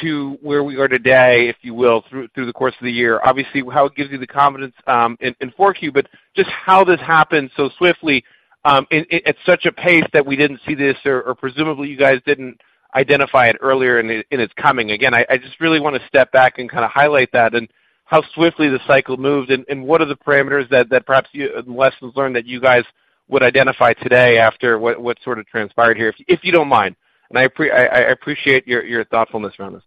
to where we are today, if you will, through the course of the year? Obviously, how it gives you the confidence in 4Q, but just how this happened so swiftly at such a pace that we didn't see this, or presumably you guys didn't identify it earlier in its coming. Again, I just really wanna step back and kind of highlight that, and how swiftly the cycle moved, and what are the parameters that perhaps lessons learned that you guys would identify today after what sort of transpired here, if you don't mind. And I appreciate your thoughtfulness around this.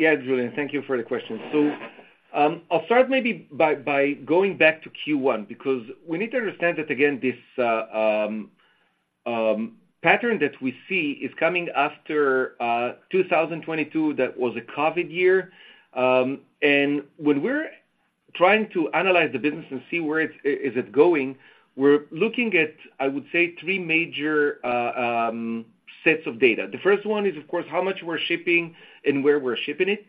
Yeah, Julian, thank you for the question. So, I'll start maybe by going back to Q1, because we need to understand that, again, this pattern that we see is coming after 2022, that was a COVID year. And when we're trying to analyze the business and see where it's going, we're looking at, I would say, three major sets of data. The first one is, of course, how much we're shipping and where we're shipping it.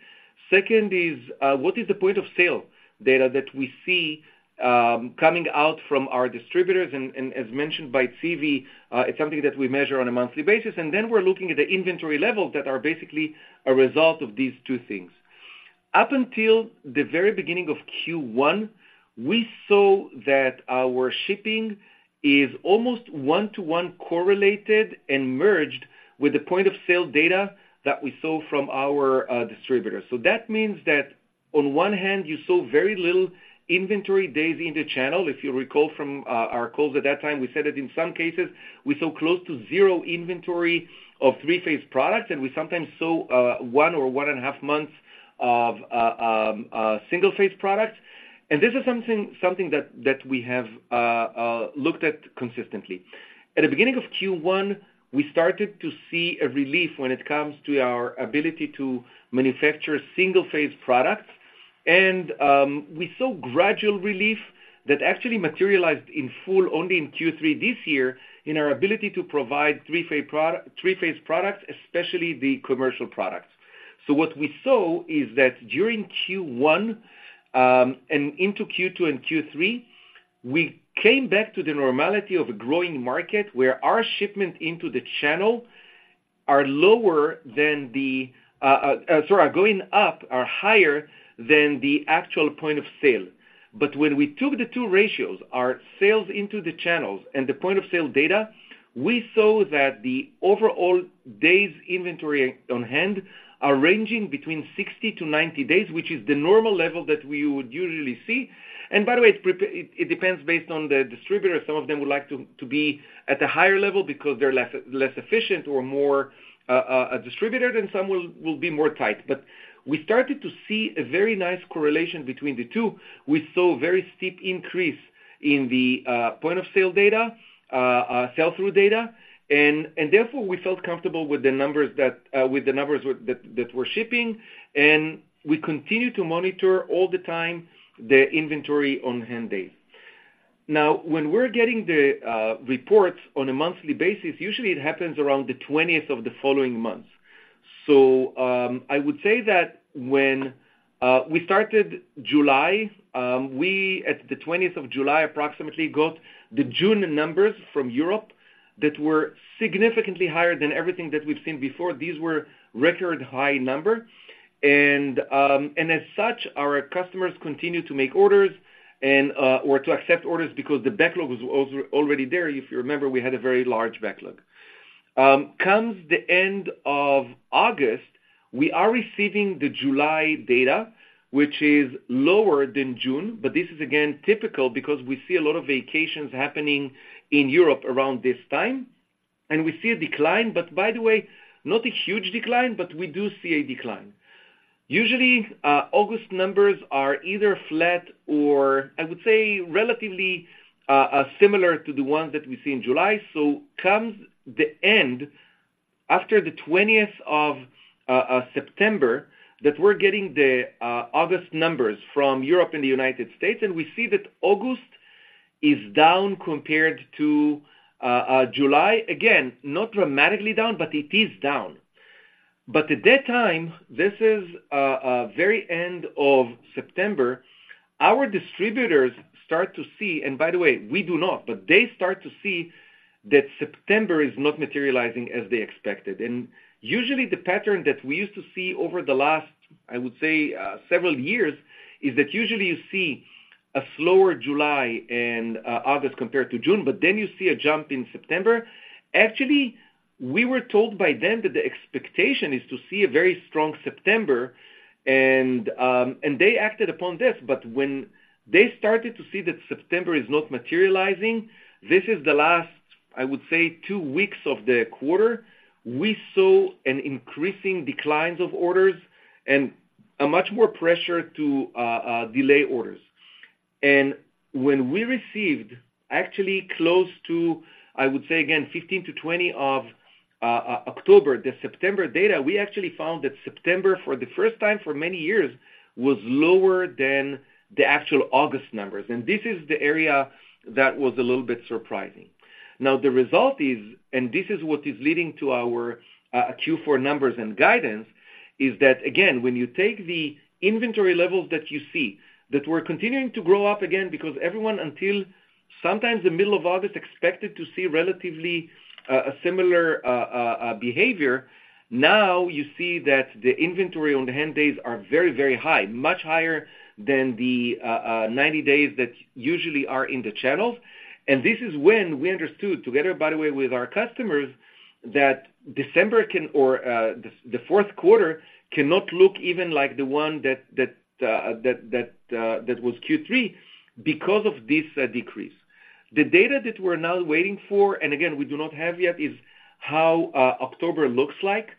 Second is what is the point of sale data that we see coming out from our distributors, and as mentioned by Zvi, it's something that we measure on a monthly basis. And then we're looking at the inventory levels that are basically a result of these two things. Up until the very beginning of Q1, we saw that our shipping is almost one-to-one correlated and merged with the point of sale data that we saw from our distributors. So that means that on one hand, you saw very little inventory days in the channel. If you recall from our calls at that time, we said that in some cases we saw close to zero inventory of Three-Phase products, and we sometimes saw one or one and a half months of Single-Phase products. This is something that we have looked at consistently. At the beginning of Q1, we started to see a relief when it comes to our ability to manufacture Single-Phase products. We saw gradual relief that actually materialized in full only in Q3 this year, in our ability to provide three-phase products, especially the commercial products. What we saw is that during Q1 and into Q2 and Q3, we came back to the normality of a growing market, where our shipment into the channel are higher than the actual point of sale. When we took the two ratios, our sales into the channels and the point of sale data, we saw that the overall days inventory on hand are ranging between 60-90 days, which is the normal level that we would usually see. By the way, it depends based on the distributor. Some of them would like to be at a higher level because they're less efficient or more distributed, and some will be more tight. But we started to see a very nice correlation between the two. We saw a very steep increase in the point of sale data, sell-through data, and therefore, we felt comfortable with the numbers that we're shipping, and we continue to monitor all the time the inventory on-hand days. Now, when we're getting the reports on a monthly basis, usually it happens around the 20th of the following month. So, I would say that when we started July, we at the 20th of July, approximately, got the June numbers from Europe that were significantly higher than everything that we've seen before. These were record high number. And as such, our customers continued to make orders and, or to accept orders because the backlog was also already there. If you remember, we had a very large backlog. Comes the end of August, we are receiving the July data, which is lower than June, but this is again, typical because we see a lot of vacations happening in Europe around this time, and we see a decline. But by the way, not a huge decline, but we do see a decline. Usually, August numbers are either flat or I would say relatively, similar to the ones that we see in July. So comes the end, after the 20th of September, that we're getting the August numbers from Europe and the United States, and we see that August is down compared to July. Again, not dramatically down, but it is down. But at that time, this is very end of September, our distributors start to see, and by the way, we do not, but they start to see that September is not materializing as they expected. And usually, the pattern that we used to see over the last, I would say, several years, is that usually you see a slower July and, August compared to June, but then you see a jump in September. Actually, we were told by them that the expectation is to see a very strong September, and, and they acted upon this. But when they started to see that September is not materializing, this is the last, I would say, two weeks of the quarter, we saw an increasing declines of orders and a much more pressure to, delay orders. When we received actually close to, I would say again, 15-20 of October, the September data, we actually found that September for the first time for many years, was lower than the actual August numbers. This is the area that was a little bit surprising. Now, the result is, and this is what is leading to our Q4 numbers and guidance, is that again, when you take the inventory levels that you see, that we're continuing to grow up again, because everyone until sometimes the middle of August, expected to see relatively, a similar behavior. Now, you see that the inventory on the hand days are very, very high, much higher than the 90 days that usually are in the channels. This is when we understood together, by the way, with our customers, that December can, or the Q4 cannot look even like the one that was Q3 because of this decrease. The data that we're now waiting for, and again, we do not have yet, is how October looks like.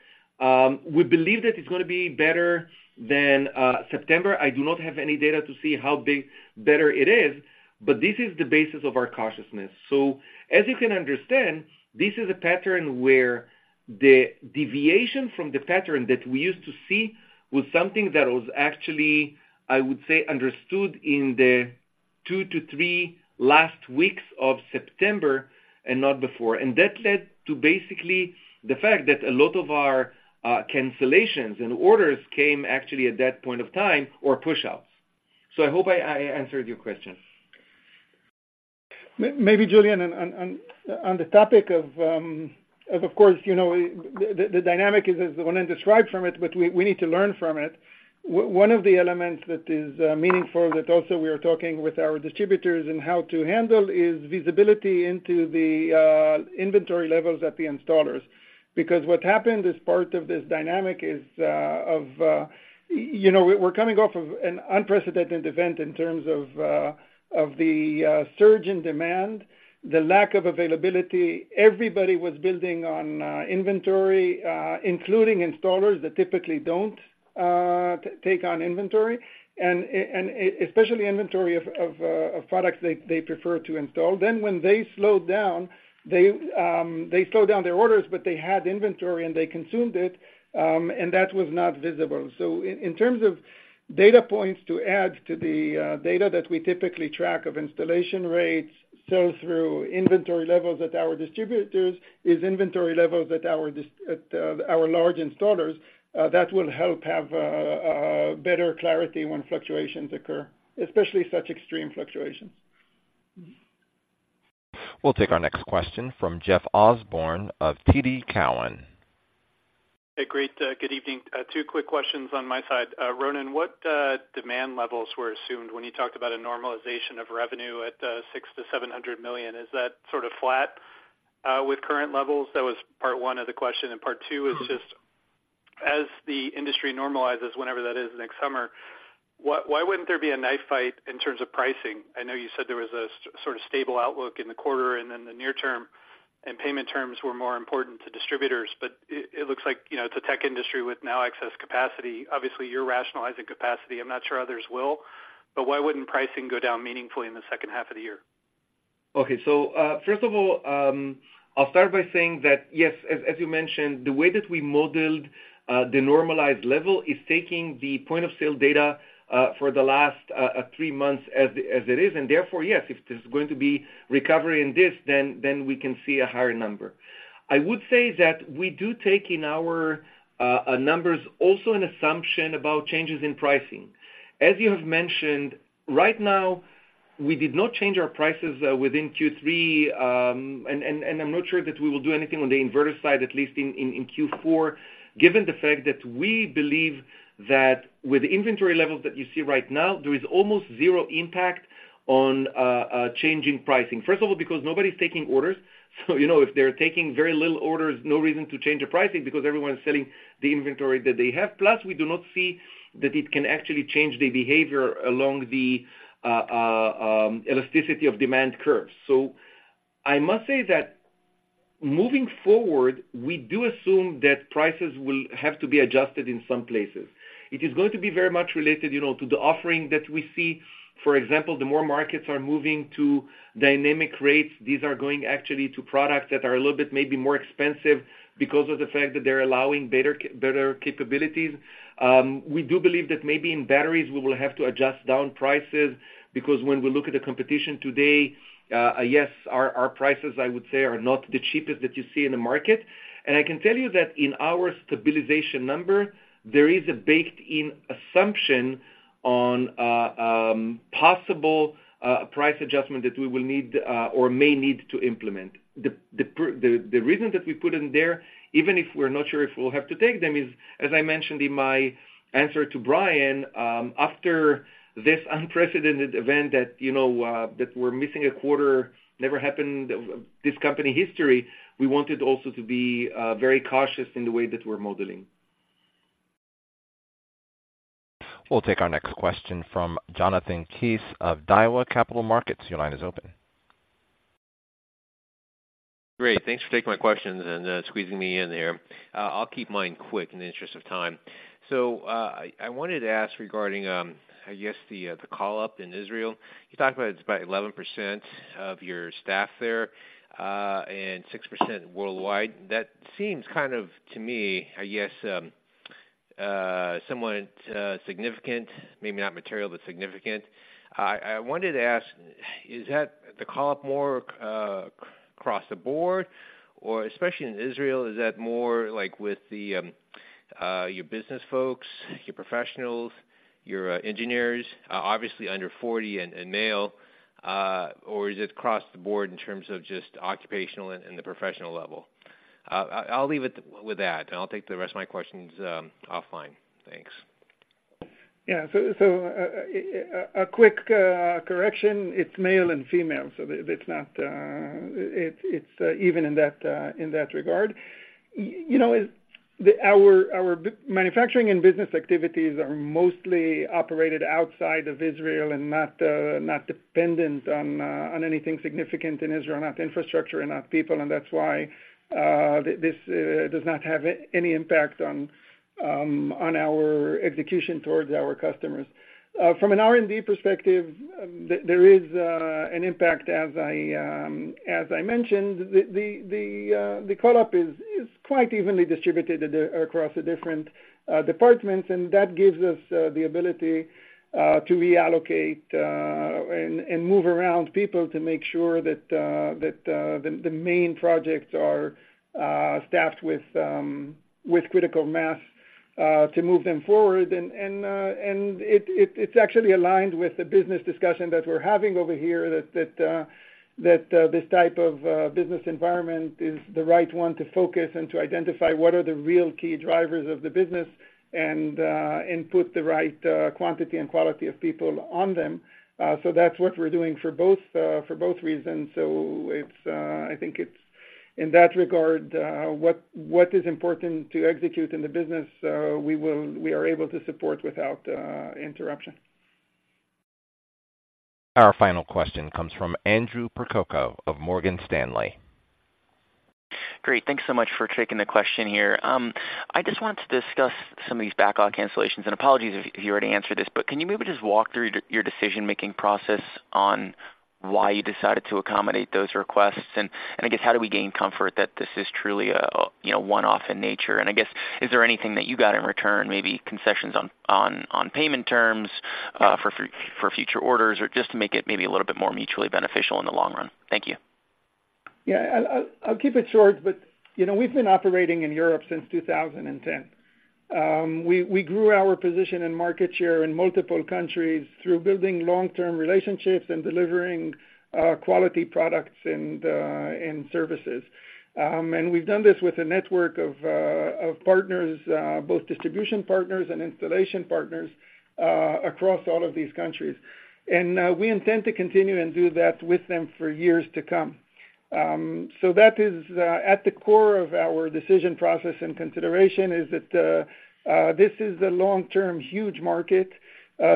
We believe that it's gonna be better than September. I do not have any data to see how big, better it is, but this is the basis of our cautiousness. As you can understand, this is a pattern where the deviation from the pattern that we used to see was something that was actually, I would say, understood in the two to three last weeks of September and not before. And that led to basically the fact that a lot of our cancellations and orders came actually at that point of time or pushouts. So I hope I answered your question. Maybe Julian, on the topic of, of course, you know, the dynamic is, as Ronen described from it, but we need to learn from it. One of the elements that is meaningful, that also we are talking with our distributors and how to handle, is visibility into the inventory levels at the installers. Because what happened as part of this dynamic is, you know, we're coming off of an unprecedented event in terms of the surge in demand, the lack of availability. Everybody was building on inventory, including installers that typically don't take on inventory, and especially inventory of products they prefer to install. Then when they slowed down, they slowed down their orders, but they had inventory, and they consumed it, and that was not visible. So in terms of data points to add to the data that we typically track of installation rates, sell-through, inventory levels at our distributors, is inventory levels at our large installers, that will help have better clarity when fluctuations occur, especially such extreme fluctuations. We'll take our next question from Jeff Osborne of TD Cowen. Hey, great, good evening. Two quick questions on my side. Ronen, what, demand levels were assumed when you talked about a normalization of revenue at $600 million-$700 million? Is that sort of flat, with current levels? That was part one of the question. And part two is just, as the industry normalizes, whenever that is, next summer, why, why wouldn't there be a knife fight in terms of pricing? I know you said there was a sort of stable outlook in the quarter, and in the near term, and payment terms were more important to distributors, but it, it looks like, you know, it's a tech industry with now excess capacity. Obviously, you're rationalizing capacity. I'm not sure others will, but why wouldn't pricing go down meaningfully in the H2 of the year? Okay, so, first of all, I'll start by saying that, yes, as you mentioned, the way that we modeled the normalized level is taking the point of sale data for the last three months as it is, and therefore, yes, if there's going to be recovery in this, then we can see a higher number. I would say that we do take in our numbers, also an assumption about changes in pricing. As you have mentioned, right now, we did not change our prices within Q3, and I'm not sure that we will do anything on the inverter side, at least in Q4, given the fact that we believe that with the inventory levels that you see right now, there is almost zero impact on a changing pricing. First of all, because nobody's taking orders, so, you know, if they're taking very little orders, no reason to change the pricing because everyone is selling the inventory that they have. Plus, we do not see that it can actually change the behavior along the elasticity of demand curves. So I must say that moving forward, we do assume that prices will have to be adjusted in some places. It is going to be very much related, you know, to the offering that we see. For example, the more markets are moving to dynamic rates, these are going actually to products that are a little bit maybe more expensive because of the fact that they're allowing better capabilities. We do believe that maybe in batteries, we will have to adjust down prices, because when we look at the competition today, yes, our prices, I would say, are not the cheapest that you see in the market. And I can tell you that in our stabilization number, there is a baked-in assumption on possible price adjustment that we will need or may need to implement. The reason that we put in there, even if we're not sure if we'll have to take them, is, as I mentioned in my answer to Brian, after this unprecedented event that, you know, that we're missing a quarter, never happened, this company history, we wanted also to be very cautious in the way that we're modeling. We'll take our next question from Jonathan Kees of Daiwa Capital Markets. Your line is open. Great, thanks for taking my questions and, squeezing me in here. I'll keep mine quick in the interest of time. So, I wanted to ask regarding, I guess the, the call up in Israel. You talked about it's about 11% of your staff there, and 6% worldwide. That seems kind of, to me, I guess, somewhat, significant, maybe not material, but significant. I wanted to ask, is that the call up more, across the board, or especially in Israel, is that more like with the, your business folks, your professionals, your, engineers, obviously under 40 and male, or is it across the board in terms of just occupational and the professional level? I'll leave it with that, and I'll take the rest of my questions, offline. Thanks. Yeah. So, a quick correction, it's male and female, so it's not... it's even in that regard. You know, it... Our manufacturing and business activities are mostly operated outside of Israel and not dependent on anything significant in Israel, not infrastructure and not people. And that's why this does not have any impact on our execution towards our customers. From an R&D perspective, there is an impact, as I mentioned. The call-up is quite evenly distributed across the different departments, and that gives us the ability to reallocate and move around people to make sure that the main projects are staffed with critical mass to move them forward. It's actually aligned with the business discussion that we're having over here, that this type of business environment is the right one to focus and to identify what are the real key drivers of the business, and put the right quantity and quality of people on them. So that's what we're doing for both reasons. In that regard, what is important to execute in the business, we are able to support without interruption. Our final question comes from Andrew Percoco of Morgan Stanley. Great. Thanks so much for taking the question here. I just want to discuss some of these backlog cancellations, and apologies if you already answered this. But can you maybe just walk through your decision-making process on why you decided to accommodate those requests? And I guess, how do we gain comfort that this is truly a you know, one-off in nature? And I guess, is there anything that you got in return, maybe concessions on payment terms for future orders, or just to make it maybe a little bit more mutually beneficial in the long run? Thank you. Yeah, I'll keep it short, but, you know, we've been operating in Europe since 2010. We grew our position and market share in multiple countries through building long-term relationships and delivering quality products and services. We've done this with a network of partners, both distribution partners and installation partners, across all of these countries. We intend to continue to do that with them for years to come. So that is at the core of our decision process and consideration, that this is a long-term, huge market.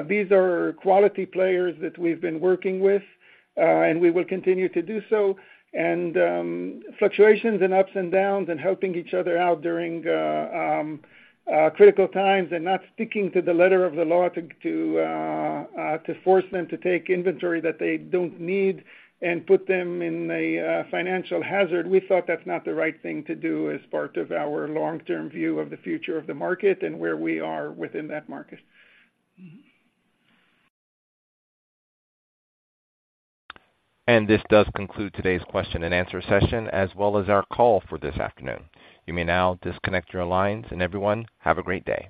These are quality players that we've been working with, and we will continue to do so. Fluctuations and ups and downs and helping each other out during critical times and not sticking to the letter of the law to force them to take inventory that they don't need and put them in a financial hazard, we thought that's not the right thing to do as part of our long-term view of the future of the market and where we are within that market. This does conclude today's question-and-answer session, as well as our call for this afternoon. You may now disconnect your lines, and everyone, have a great day.